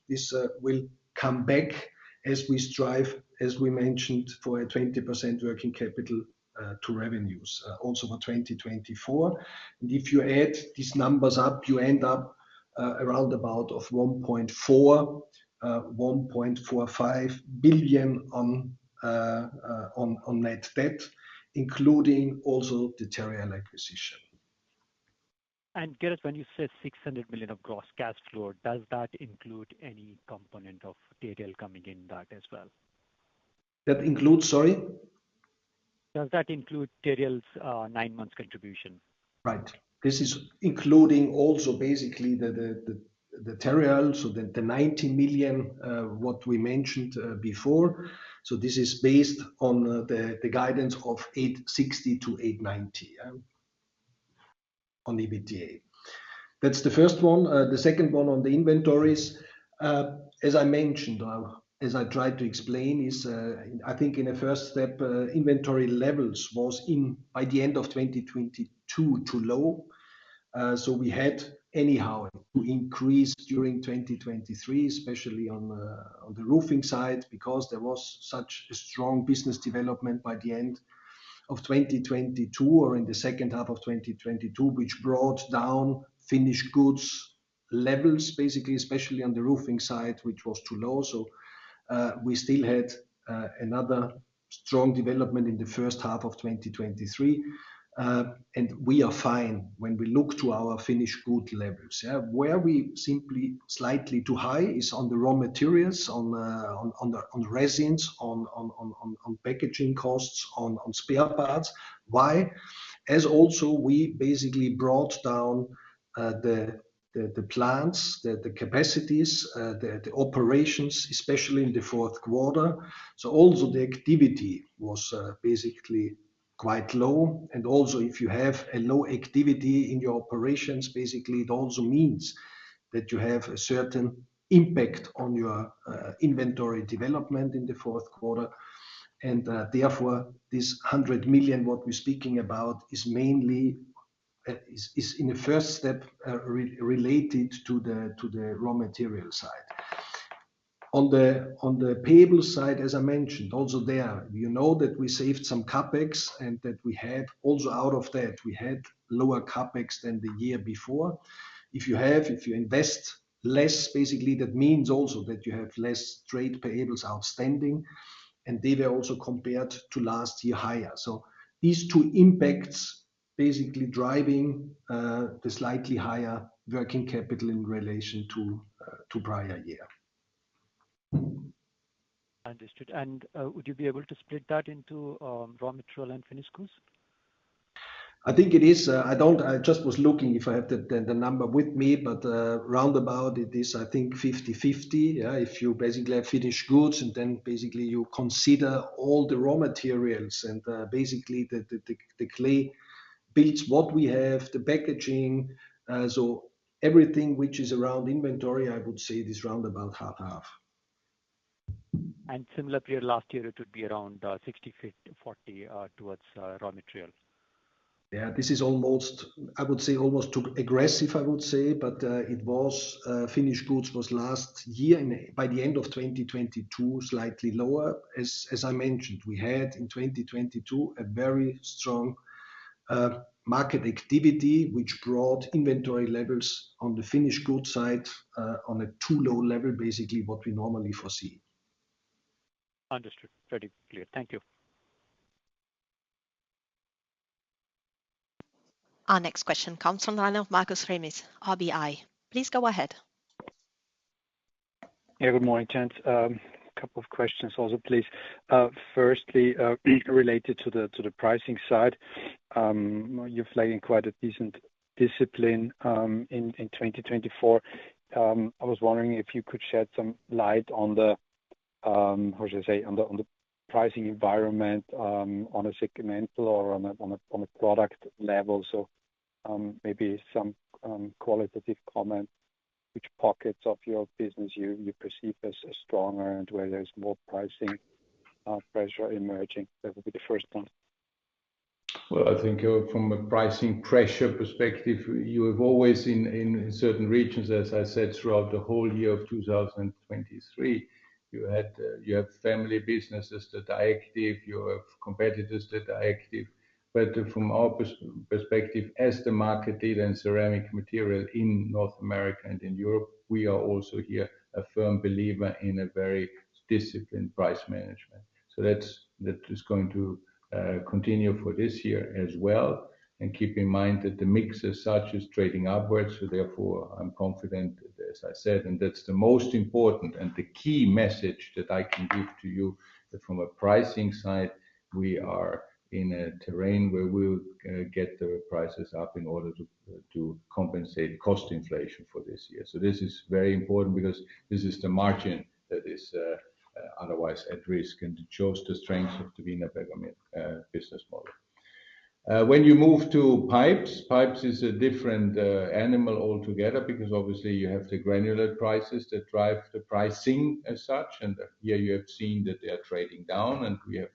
this will come back as we strive, as we mentioned, for a 20% working capital to revenues also for 2024. If you add these numbers up, you end up around about 1.4 billion-1.45 billion on net debt, including also the Terreal acquisition. And Gerhard, when you said 600 million of gross cash flow, does that include any component of Terreal coming in that as well? That includes, sorry? Does that include Terreal's nine months contribution? Right. This is including also basically the Terreal, so the 90 million what we mentioned before. So this is based on the guidance of 860 million-890 million on EBITDA. That's the first one. The second one on the inventories, as I mentioned, as I tried to explain, is I think in a first step, inventory levels was in by the end of 2022 too low, So we had anyhow to increase during 2023, especially on the roofing side, because there was such a strong business development by the end of 2022 or in the second half of 2022, which brought down finished goods levels, basically especially on the roofing side, which was too low. So we still had another strong development in the first half of 2023. And we are fine when we look to our finished good levels. Where we simply slightly too high is on the raw materials, on resins, on packaging costs, on spare parts. Why? As also, we basically brought down the plants, the capacities, the operations, especially in the fourth quarter. So also, the activity was basically quite low. And also, if you have a low activity in your operations, basically, it also means that you have a certain impact on your inventory development in the fourth quarter. Therefore, this 100 million what we're speaking about is mainly in a first step related to the raw material side. On the payable side, as I mentioned, also there, you know that we saved some CapEx and that we had also out of that, we had lower CapEx than the year before. If you have, if you invest less, basically, that means also that you have less trade payables outstanding. And they were also compared to last year higher. So these two impacts basically driving the slightly higher working capital in relation to prior year. Understood. And would you be able to split that into raw material and finished goods? I think it is. I just was looking if I have the number with me. But round about, it is, I think, 50/50. If you basically have finished goods, and then basically, you consider all the raw materials. Basically, the clay blocks what we have, the packaging. So everything which is around inventory, I would say it is round about 50/50. Similar to your last year, it would be around 60/40 towards raw material. Yeah, this is almost, I would say, almost too aggressive, I would say. But it was finished goods was last year by the end of 2022 slightly lower. As I mentioned, we had in 2022 a very strong market activity, which brought inventory levels on the finished goods side on a too low level, basically, what we normally foresee. Understood. Very clear. Thank you. Our next question comes from the line of Markus Remis, RBI. Please go ahead. Yeah, good morning, Chance. A couple of questions also, please. Firstly, related to the pricing side, you're flagging quite a decent discipline in 2024. I was wondering if you could shed some light on the, how should I say, on the pricing environment on a segmental or on a product level. So maybe some qualitative comment, which pockets of your business you perceive as stronger and where there's more pricing pressure emerging. That would be the first one. Well, I think from a pricing pressure perspective, you have always in certain regions, as I said, throughout the whole year of 2023, you have family businesses that are active. You have competitors that are active. But from our perspective, as the market leader in ceramic material in North America and in Europe, we are also here a firm believer in a very disciplined price management. So that is going to continue for this year as well. And keep in mind that the mix as such is trading upwards. So therefore, I'm confident, as I said, and that's the most important and the key message that I can give to you that from a pricing side, we are in a terrain where we'll get the prices up in order to compensate cost inflation for this year. So this is very important because this is the margin that is otherwise at risk. It shows the strength of the Wienerberger business model. When you move to pipes, pipes is a different animal altogether because, obviously, you have the granular prices that drive the pricing as such. And here you have seen that they are trading down. And we have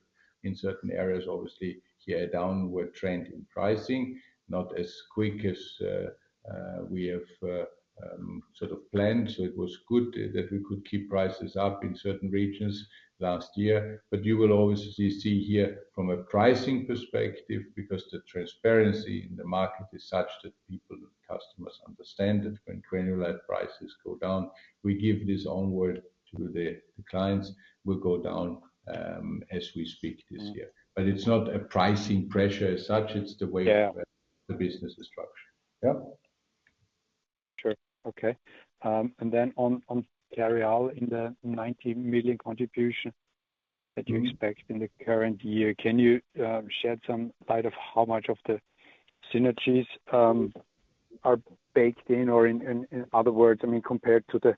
in certain areas, obviously, here downward trend in pricing, not as quick as we have sort of planned. So it was good that we could keep prices up in certain regions last year. But you will always see here from a pricing perspective because the transparency in the market is such that people and customers understand that when granular prices go down, we give this onward to the clients, will go down as we speak this year. But it's not a pricing pressure as such. It's the way the business is structured. Yeah? Sure. Okay. And then on Terreal in the 90 million contribution that you expect in the current year, can you shed some light on how much of the synergies are baked in? Or in other words, I mean, compared to the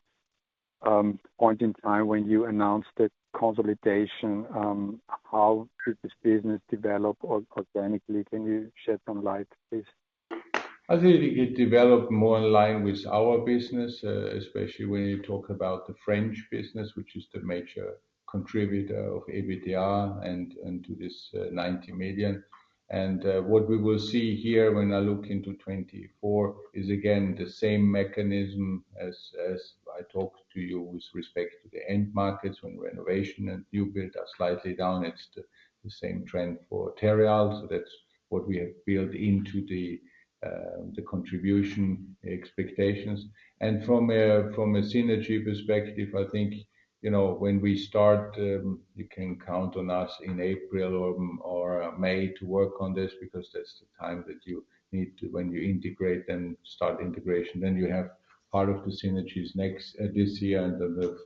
point in time when you announced the consolidation, how did this business develop organically? Can you shed some light, please? I think it developed more in line with our business, especially when you talk about the French business, which is the major contributor of EBITDA and to this 90 million. And what we will see here when I look into 2024 is, again, the same mechanism as I talked to you with respect to the end markets when renovation and new build are slightly down. It's the same trend for Terreal. So that's what we have built into the contribution expectations. And from a synergy perspective, I think when we start, you can count on us in April or May to work on this because that's the time that you need to when you integrate and start integration. Then you have part of the synergies this year and then the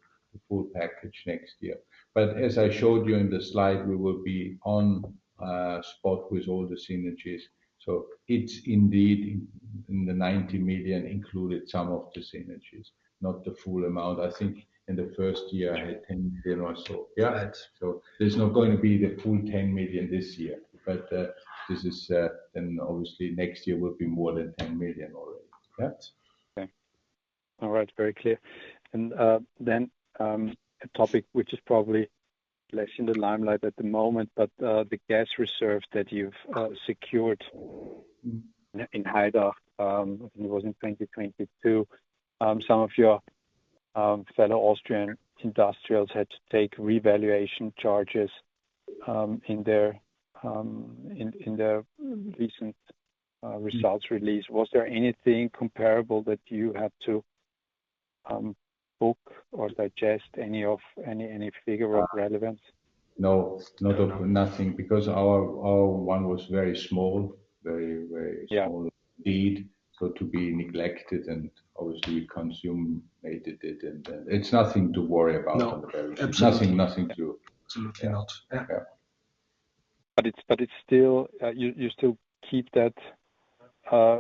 full package next year. But as I showed you in the slide, we will be on spot with all the synergies. So it's indeed in the 90 million included some of the synergies, not the full amount. I think in the first year, I had 10 million or so. Yeah? So there's not going to be the full 10 million this year. But this is then, obviously, next year will be more than 10 million already. Yeah? Okay. All right. Very clear. And then a topic which is probably less in the limelight at the moment, but the gas reserves that you've secured in Haidach. I think it was in 2022. Some of your fellow Austrian industrials had to take revaluation charges in their recent results release. Was there anything comparable that you had to book or digest, any figure of relevance? No, nothing because our one was very small, very, very small indeed. So to be neglected and, obviously, consummated it. And it's nothing to worry about on the very least. Nothing to. Absolutely not. Yeah. But you still keep that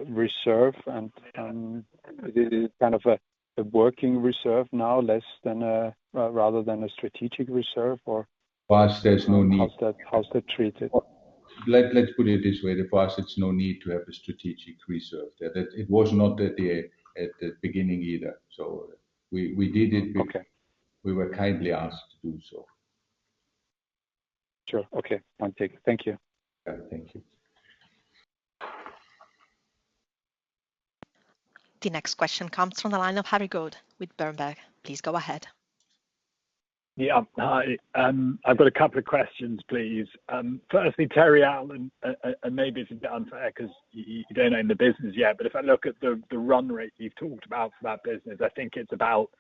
reserve? And is it kind of a working reserve now rather than a strategic reserve or? For us, there's no need. How's that treated? Let's put it this way. For us, it's no need to have a strategic reserve there. It was not at the beginning either. So we did it because we were kindly asked to do so. Sure. Okay. Fine take. Thank you. Yeah. Thank you. The next question comes from the line of Harry Goad with Berenberg. Please go ahead. Yeah. Hi. I've got a couple of questions, please. Firstly, Terreal, and maybe it's a bit unfair because you don't own the business yet. If I look at the run rate you've talked about for that business, I think it's about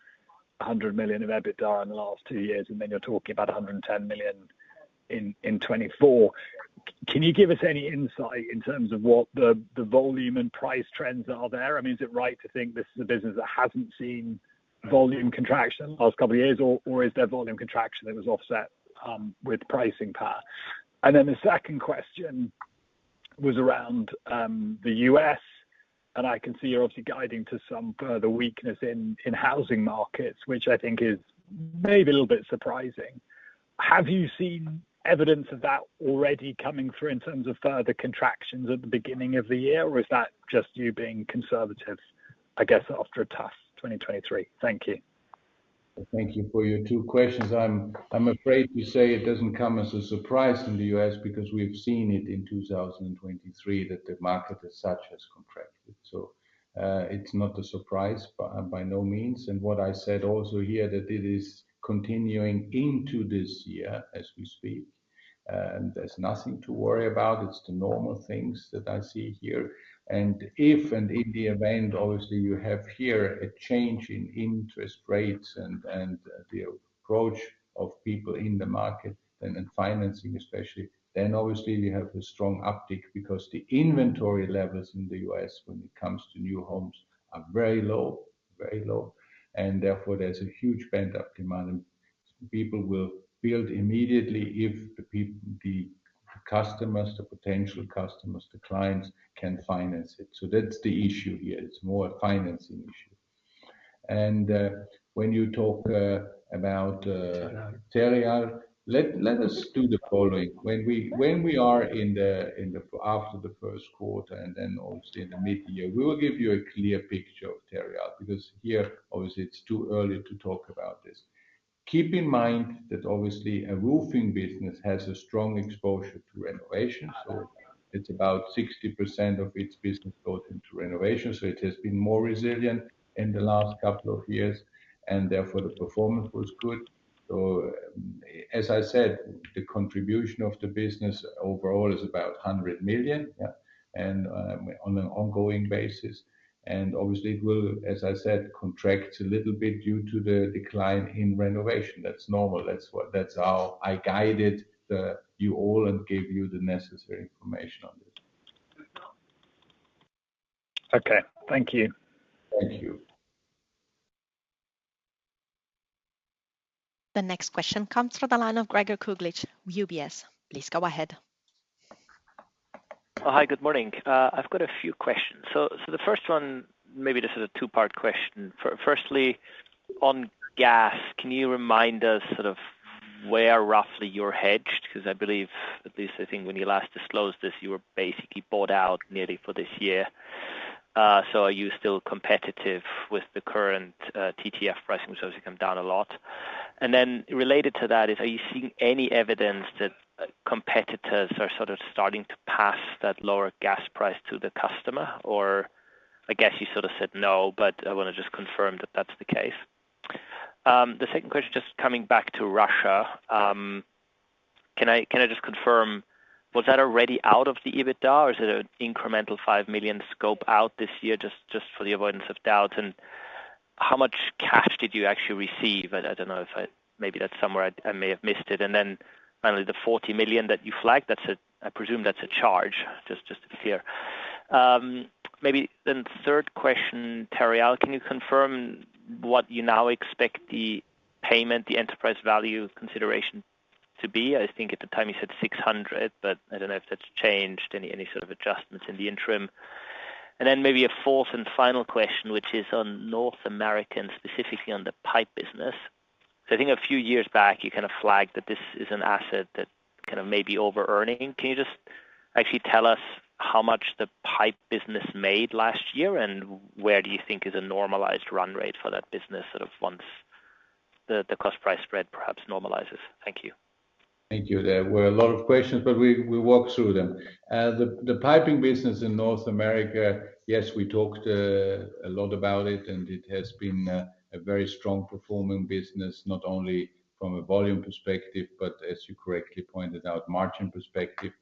100 million of EBITDA in the last two years. Then you're talking about 110 million in 2024. Can you give us any insight in terms of what the volume and price trends that are there? I mean, is it right to think this is a business that hasn't seen volume contraction in the last couple of years? Or is there volume contraction that was offset with pricing power? And then the second question was around the U.S. And I can see you're obviously guiding to some further weakness in housing markets, which I think is maybe a little bit surprising. Have you seen evidence of that already coming through in terms of further contractions at the beginning of the year? Or is that just you being conservative, I guess, after a tough 2023? Thank you. Thank you for your two questions. I'm afraid to say it doesn't come as a surprise in the US because we've seen it in 2023 that the market as such has contracted. So it's not a surprise by no means. And what I said also here that it is continuing into this year as we speak. And there's nothing to worry about. It's the normal things that I see here. And if and in the event, obviously, you have here a change in interest rates and the approach of people in the market and financing, especially, then obviously, you have a strong uptick because the inventory levels in the US when it comes to new homes are very low, very low. And therefore, there's a huge pent-up demand. People will build immediately if the customers, the potential customers, the clients can finance it. So that's the issue here. It's more a financing issue. And when you talk about Terreal, let us do the following. When we are in the after the first quarter and then, obviously, in the mid-year, we will give you a clear picture of Terreal because here, obviously, it's too early to talk about this. Keep in mind that, obviously, a roofing business has a strong exposure to renovation. So it's about 60% of its business goes into renovation. So it has been more resilient in the last couple of years. And therefore, the performance was good. So as I said, the contribution of the business overall is about 100 million, yeah, and on an ongoing basis. Obviously, it will, as I said, contract a little bit due to the decline in renovation. That's normal. That's how I guided you all and gave you the necessary information on this. Okay. Thank you. Thank you. The next question comes from the line of Gregor Kuglitsch, UBS. Please go ahead. Hi. Good morning. I've got a few questions. So the first one, maybe this is a two-part question. Firstly, on gas, can you remind us sort of where roughly you're hedged? Because I believe, at least I think when you last disclosed this, you were basically bought out nearly for this year. So are you still competitive with the current TTF pricing? Because obviously, it come down a lot. And then related to that is, are you seeing any evidence that competitors are sort of starting to pass that lower gas price to the customer? Or I guess you sort of said no, but I want to just confirm that that's the case. The second question, just coming back to Russia, can I just confirm, was that already out of the EBITDA? Or is it an incremental 5 million scope out this year just for the avoidance of doubt? And how much cash did you actually receive? I don't know if I maybe that's somewhere I may have missed it. And then finally, the 40 million that you flagged, I presume that's a charge, just to be clear. Maybe then third question, Terreal, can you confirm what you now expect the payment, the enterprise value consideration to be? I think at the time, you said 600 million, but I don't know if that's changed, any sort of adjustments in the interim. And then maybe a fourth and final question, which is on North America, specifically on the pipe business. So I think a few years back, you kind of flagged that this is an asset that kind of may be over-earning. Can you just actually tell us how much the pipe business made last year? And where do you think is a normalized run rate for that business sort of once the cost price spread perhaps normalizes? Thank you. Thank you. There were a lot of questions, but we walked through them. The piping business in North America, yes, we talked a lot about it. And it has been a very strong performing business, not only from a volume perspective, but as you correctly pointed out, margin perspective.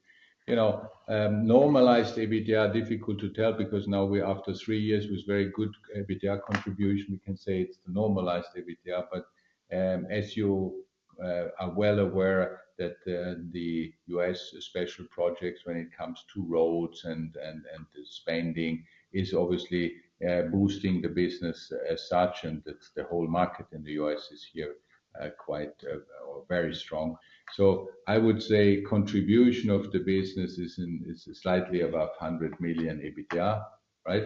Normalized EBITDA, difficult to tell because now we're after three years with very good EBITDA contribution. We can say it's the normalized EBITDA. But as you are well aware that the U.S. special projects when it comes to roads and the spending is obviously boosting the business as such. And the whole market in the U.S. is here quite or very strong. So I would say contribution of the business is slightly above 100 million EBITDA, right?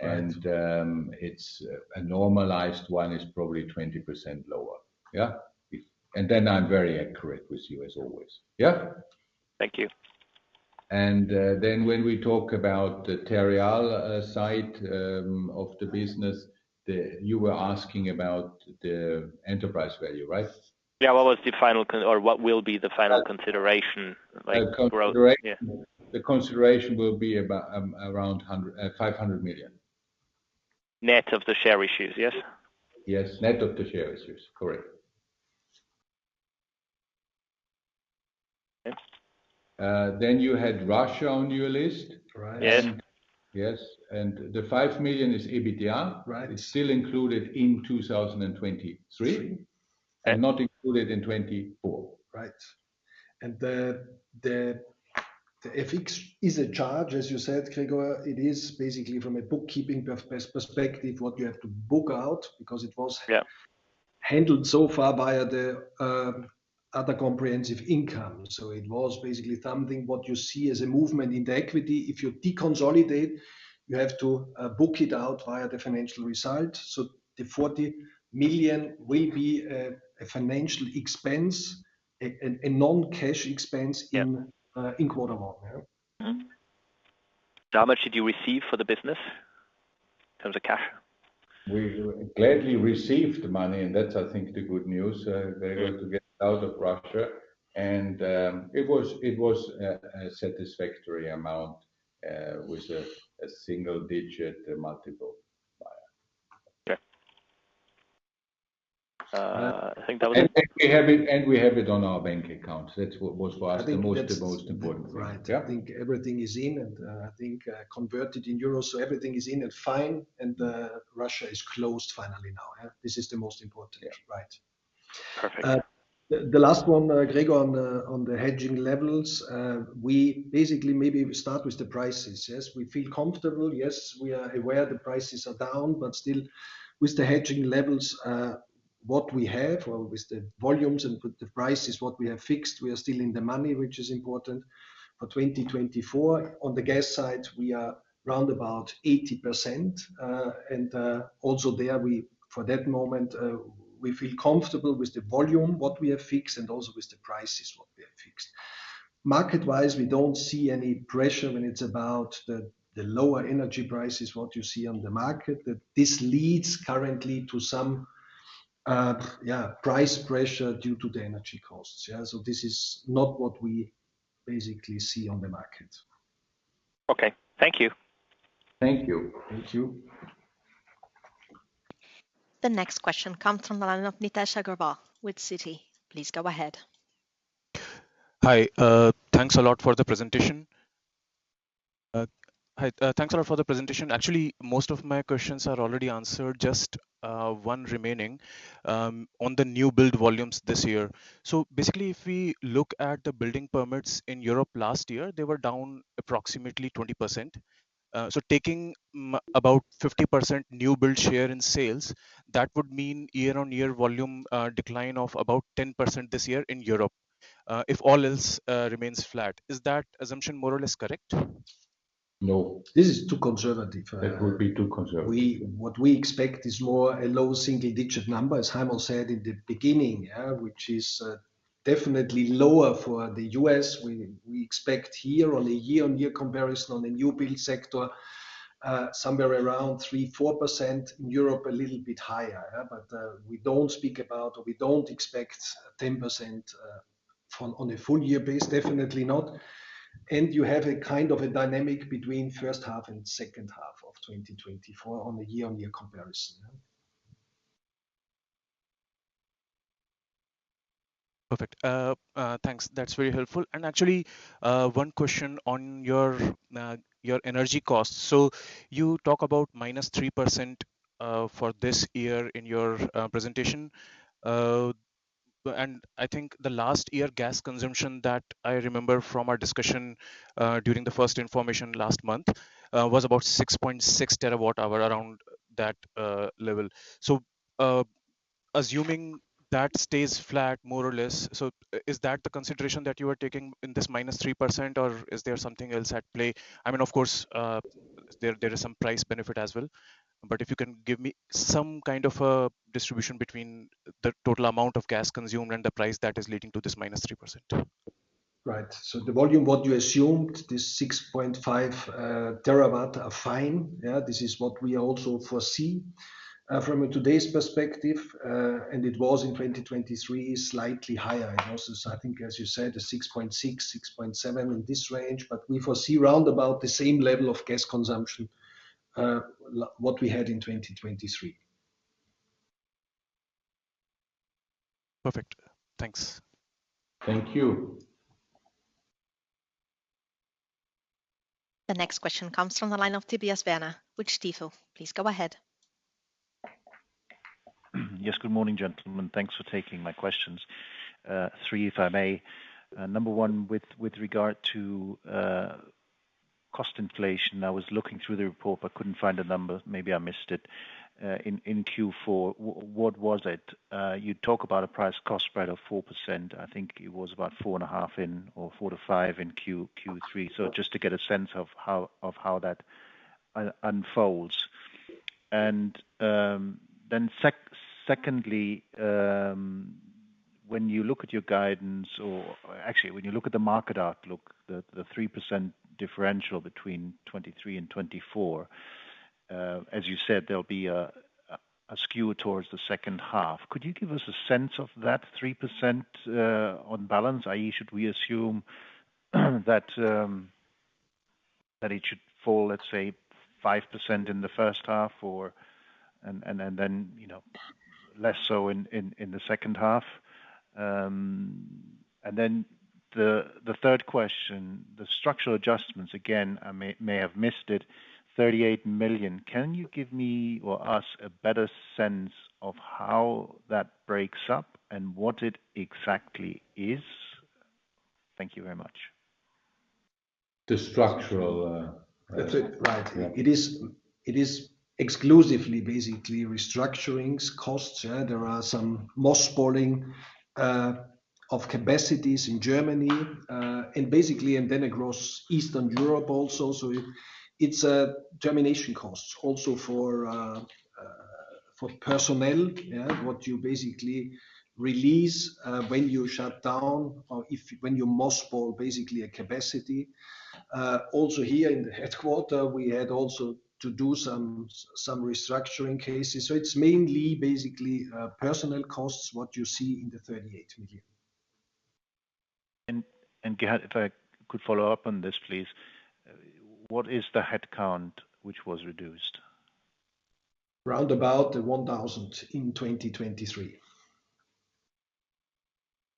And a normalized one is probably 20% lower. Yeah? And then I'm very honest with you as always. Yeah? Thank you. And then when we talk about the Terreal side of the business, you were asking about the enterprise value, right? Yeah. What was the final or what will be the final consideration? Gross. Correct. Yeah. The consideration will be around 500 million. Net of the share issues, yes? Yes. Net of the share issues. Correct. Then you had Russia on your list, right? Yes. Yes. And the 5 million is EBITDA, right? It's still included in 2023 and not included in 2024. Right. And if it is a charge, as you said, Gregor, it is basically from a bookkeeping perspective what you have to book out because it was handled so far via the other comprehensive income. So it was basically something what you see as a movement in the equity. If you deconsolidate, you have to book it out via the financial result. So the 40 million will be a financial expense, a non-cash expense in quarter one. Yeah? How much did you receive for the business in terms of cash? We gladly received money. And that's, I think, the good news. Very good to get out of Russia. And it was a satisfactory amount with a single-digit multiple buyer. Okay. I think that was it. And we have it on our bank accounts. That was for us the most important thing. Right. I think everything is in. And I think converted in euros. So everything is in and fine. And Russia is closed finally now. Yeah? This is the most important. Right. Perfect. The last one, Gregor, on the hedging levels. We basically maybe start with the prices, yes? We feel comfortable. Yes, we are aware the prices are down. But still, with the hedging levels, what we have or with the volumes and with the prices, what we have fixed, we are still in the money, which is important for 2024. On the gas side, we are round about 80%. And also there, for that moment, we feel comfortable with the volume, what we have fixed, and also with the prices, what we have fixed. Market-wise, we don't see any pressure when it's about the lower energy prices, what you see on the market. This leads currently to some, yeah, price pressure due to the energy costs. Yeah? So this is not what we basically see on the market. Okay. Thank you. Thank you. Thank you. The next question comes from the line of Nitesh Agarwal with Citi. Please go ahead. Hi. Thanks a lot for the presentation. Hi. Thanks a lot for the presentation. Actually, most of my questions are already answered. Just one remaining on the new build volumes this year. So basically, if we look at the building permits in Europe last year, they were down approximately 20%. So taking about 50% new build share in sales, that would mean year-on-year volume decline of about 10% this year in Europe if all else remains flat. Is that assumption more or less correct? No. This is too conservative. It would be too conservative. What we expect is more a low single-digit number, as Heimo said in the beginning, yeah, which is definitely lower for the U.S. We expect here on a year-on-year comparison on the new build sector somewhere around 3%-4%, in Europe, a little bit higher. Yeah? But we don't speak about or we don't expect 10% on a full-year base. Definitely not. And you have a kind of a dynamic between first half and second half of 2024 on a year-on-year comparison. Perfect. Thanks. That's very helpful. And actually, one question on your energy costs. So you talk about -3% for this year in your presentation. And I think the last year gas consumption that I remember from our discussion during the first information last month was about 6.6 TWh, around that level. So assuming that stays flat more or less, so is that the consideration that you are taking in this -3%? Or is there something else at play? I mean, of course, there is some price benefit as well. But if you can give me some kind of a distribution between the total amount of gas consumed and the price that is leading to this -3%. Right. So the volume, what you assumed, this 6.5 terawatt are fine. Yeah? This is what we also foresee from today's perspective. And it was in 2023 slightly higher. It was, I think, as you said a 6.6, 6.7 in this range. But we foresee round about the same level of gas consumption what we had in 2023. Perfect. Thanks. Thank you. The next question comes from the line of Tobias Woerner with Stifel, please go ahead. Yes. Good morning, gentlemen. Thanks for taking my questions. 3, if I may. Number 1, with regard to cost inflation, I was looking through the report, but couldn't find a number. Maybe I missed it. In Q4, what was it? You talk about a price-cost spread of 4%. I think it was about 4.5% or 4%-5% in Q3. So just to get a sense of how that unfolds. And then secondly, when you look at your guidance or actually, when you look at the market outlook, the 3% differential between 2023 and 2024, as you said, there'll be a skew towards the second half. Could you give us a sense of that 3% on balance? i.e., should we assume that it should fall, let's say, 5% in the first half and then less so in the second half? And then the third question, the structural adjustments, again, I may have missed it, 38 million. Can you give me or us a better sense of how that breaks up and what it exactly is? Thank you very much. The structural. That's it. Right. It is exclusively, basically, restructuring costs. There are some Mossballing of capacities in Germany and basically and then across Eastern Europe also. So it's termination costs also for personnel, yeah, what you basically release when you shut down or when you Mossball, basically, a capacity. Also here in the headquarters, we had also to do some restructuring cases. So it's mainly, basically, personnel costs, what you see in the 38 million. And Gerhard, if I could follow up on this, please, what is the headcount which was reduced? Round about 1,000 in 2023.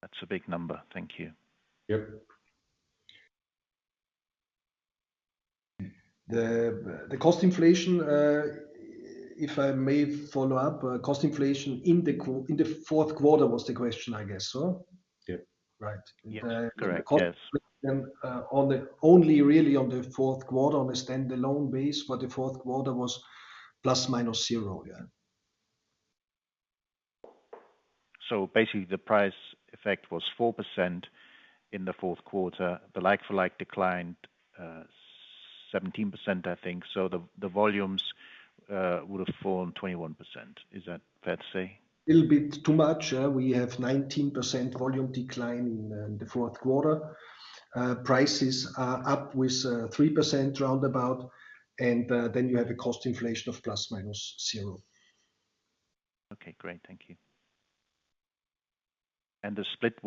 That's a big number. Thank you. Yep. The cost inflation, if I may follow up, cost inflation in the fourth quarter was the question, I guess, so? Yep. Right. Correct. Yes. Only really on the fourth quarter on a standalone base, but the fourth quarter was ±0. Yeah? So basically, the price effect was 4% in the fourth quarter. The like-for-like declined 17%, I think. So the volumes would have fallen 21%. Is that fair to say? A little bit too much. We have 19% volume decline in the fourth quarter. Prices are up with 3% roundabout. And then you have a cost inflation of ±0. Okay. Great. Thank you. The split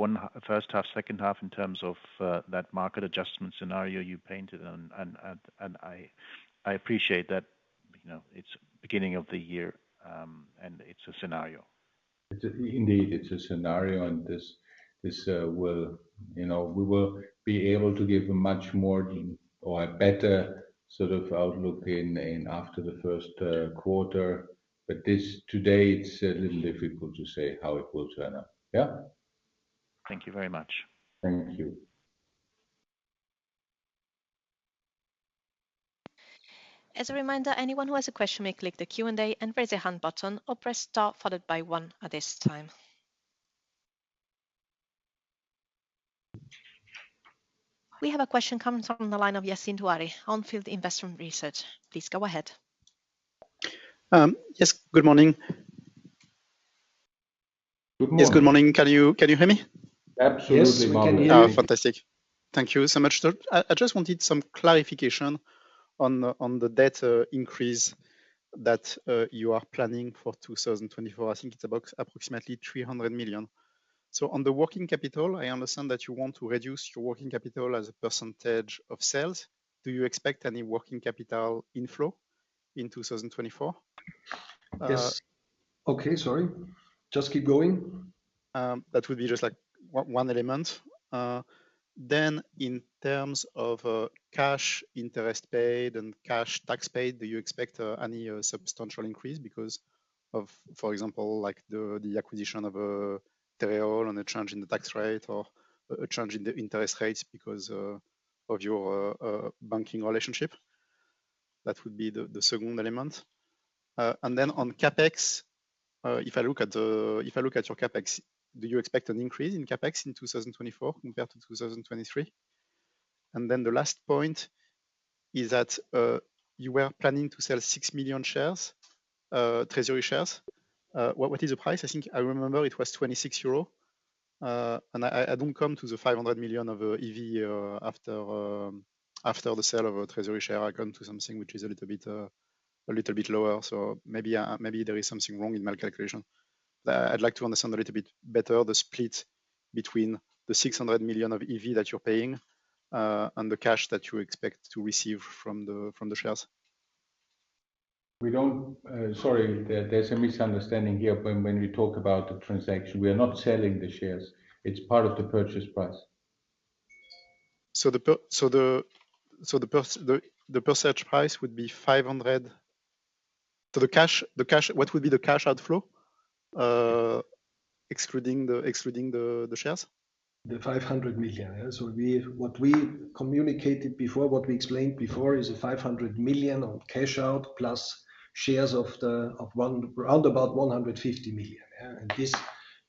first half, second half in terms of that market adjustment scenario you painted. I appreciate that it's beginning of the year. It's a scenario. Indeed. It's a scenario. This will be able to give a much more or a better sort of outlook after the first quarter. But today, it's a little difficult to say how it will turn. Yeah? Thank you very much. Thank you. As a reminder, anyone who has a question may click the Q&A and raise a hand button or press star followed by one at this time. We have a question coming from the line of Yassine Touahri, On Field Investment Research. Please go ahead. Yes. Good morning. Good morning. Yes. Good morning. Can you hear me? Absolutely. Yes. We can hear you. Fantastic. Thank you so much. I just wanted some clarification on the debt increase that you are planning for 2024. I think it's approximately 300 million. So on the working capital, I understand that you want to reduce your working capital as a percentage of sales. Do you expect any working capital inflow in 2024? Yes. Okay. Sorry. Just keep going. That would be just one element. Then in terms of cash interest paid and cash tax paid, do you expect any substantial increase because of, for example, the acquisition of Terreal and a change in the tax rate or a change in the interest rates because of your banking relationship? That would be the second element. And then on CapEx, if I look at your CapEx, do you expect an increase in CapEx in 2024 compared to 2023? And then the last point is that you were planning to sell 6 million shares, treasury shares. What is the price? I think I remember it was 26 euro. And I don't come to the 500 million of EV after the sale of treasury shares. I come to something which is a little bit lower. So maybe there is something wrong in my calculation. But I'd like to understand a little bit better the split between the 600 million of EV that you're paying and the cash that you expect to receive from the shares. Sorry. There's a misunderstanding here. When we talk about the transaction, we are not selling the shares. It's part of the purchase price. So the purchase price would be 500 million, so what would be the cash outflow excluding the shares? The 500 million. Yeah? So what we communicated before, what we explained before is a 500 million cash out plus shares of round about 150 million. Yeah? And this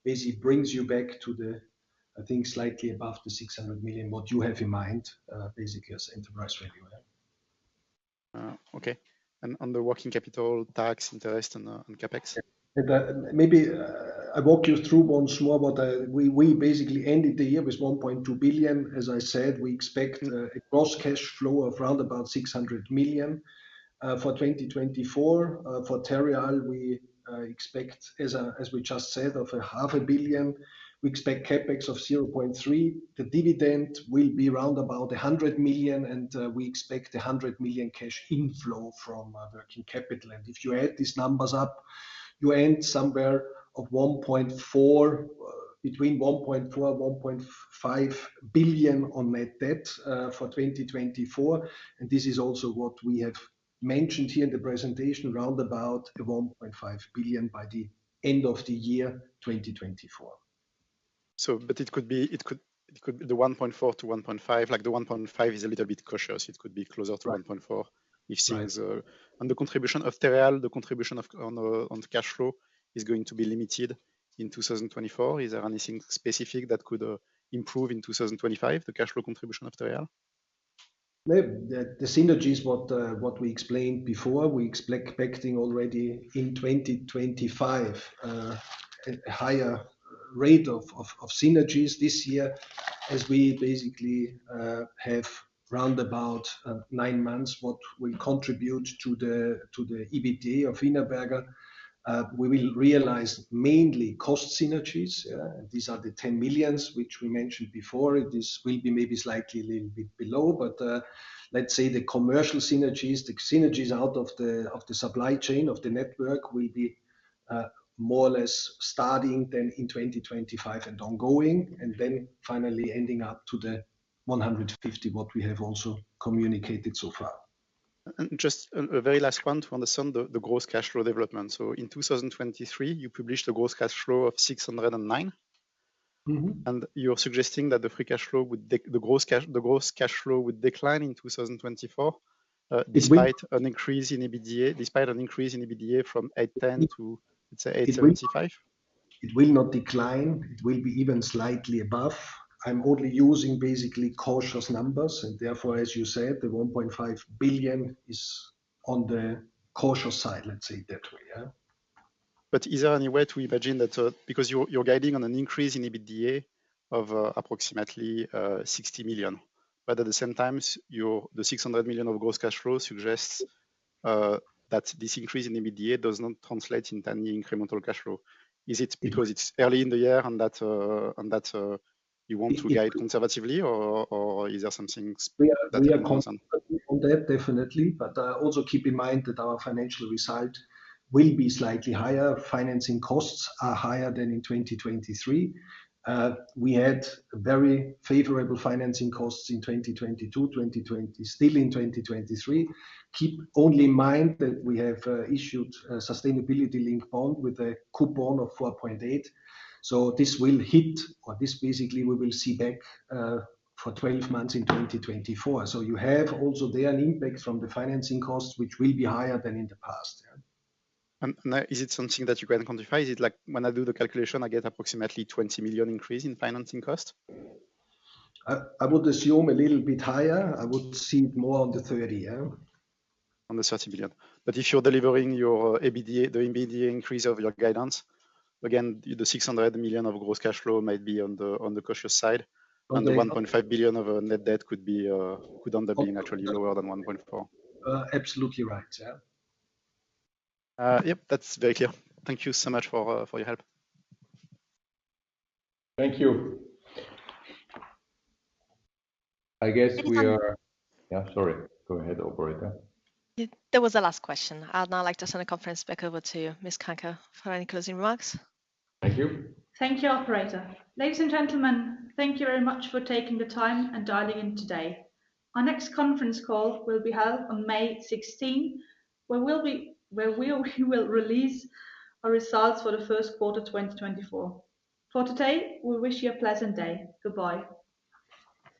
basically brings you back to the, I think, slightly above the 600 million, what you have in mind, basically, as enterprise value. Yeah? Okay. On the working capital, tax, interest, and CapEx? Maybe I walk you through once more what we basically ended the year with 1.2 billion. As I said, we expect a gross cash flow of around 600 million for 2024. For Terreal, we expect as we just said of 0.5 billion. We expect CapEx of 0.3 billion. The dividend will be around 100 million. We expect 100 million cash inflow from working capital. If you add these numbers up, you end somewhere between 1.4 billion and 1.5 billion on net debt for 2024. This is also what we have mentioned here in the presentation, around 1.5 billion by the end of the year 2024. But it could be the 1.4 billion-1.5 billion. The 1.5 billion is a little bit cautious. It could be closer to 1.4 billion if things on the contribution of Terreal, the contribution on cash flow is going to be limited in 2024. Is there anything specific that could improve in 2025, the cash flow contribution of Terreal? The synergy is what we explained before. We expecting already in 2025 a higher rate of synergies this year as we basically have round about 9 months what we contribute to the EBITDA of Wienerberger. We will realize mainly cost synergies. Yeah? These are the 10 million which we mentioned before. It will be maybe slightly a little bit below. But let's say the commercial synergies, the synergies out of the supply chain of the network will be more or less starting then in 2025 and ongoing and then finally ending up to the 150 million what we have also communicated so far. Just a very last point to understand the gross cash flow development. So in 2023, you published a gross cash flow of 609 million. And you're suggesting that the gross cash flow would decline in 2024 despite an increase in EBITDA from 810 million to let's say, 875 million? It will not decline. It will be even slightly above. I'm only using basically cautious numbers. And therefore, as you said, the 1.5 billion is on the cautious side, let's say it that way. Yeah? Is there any way to imagine that because you're guiding on an increase in EBITDA of approximately 60 million, but at the same time, the 600 million of gross cash flow suggests that this increase in EBITDA does not translate into any incremental cash flow? Is it because it's early in the year and that you want to guide conservatively? Or is there something that you're concerned? We are concerned on that, definitely. But also keep in mind that our financial result will be slightly higher. Financing costs are higher than in 2023. We had very favorable financing costs in 2022, still in 2023. Keep only in mind that we have issued a sustainability-linked bond with a coupon of 4.8%. So this will hit or this, basically, we will see back for 12 months in 2024. So you have also there an impact from the financing costs which will be higher than in the past. Yeah? And is it something that you can quantify? Is it like when I do the calculation, I get approximately 20 million increase in financing cost? I would assume a little bit higher. I would see it more on the 30. Yeah? On the 30 million. But if you're delivering the EBITDA increase of your guidance, again, the 600 million of gross cash flow might be on the cautious side. And the 1.5 billion of net debt could be actually lower than 1.4 billion. Absolutely right. Yeah? Yep. That's very clear. Thank you so much for your help. Thank you. I guess we are. Yeah. Sorry. Go ahead, operator. There was a last question. And I'd like to hand the conference back over to Ms. Jandér for any closing remarks. Thank you. Thank you, operator. Ladies and gentlemen, thank you very much for taking the time and dialing in today. Our next conference call will be held on May 16th where we will release our results for the first quarter 2024. For today, we wish you a pleasant day. Goodbye.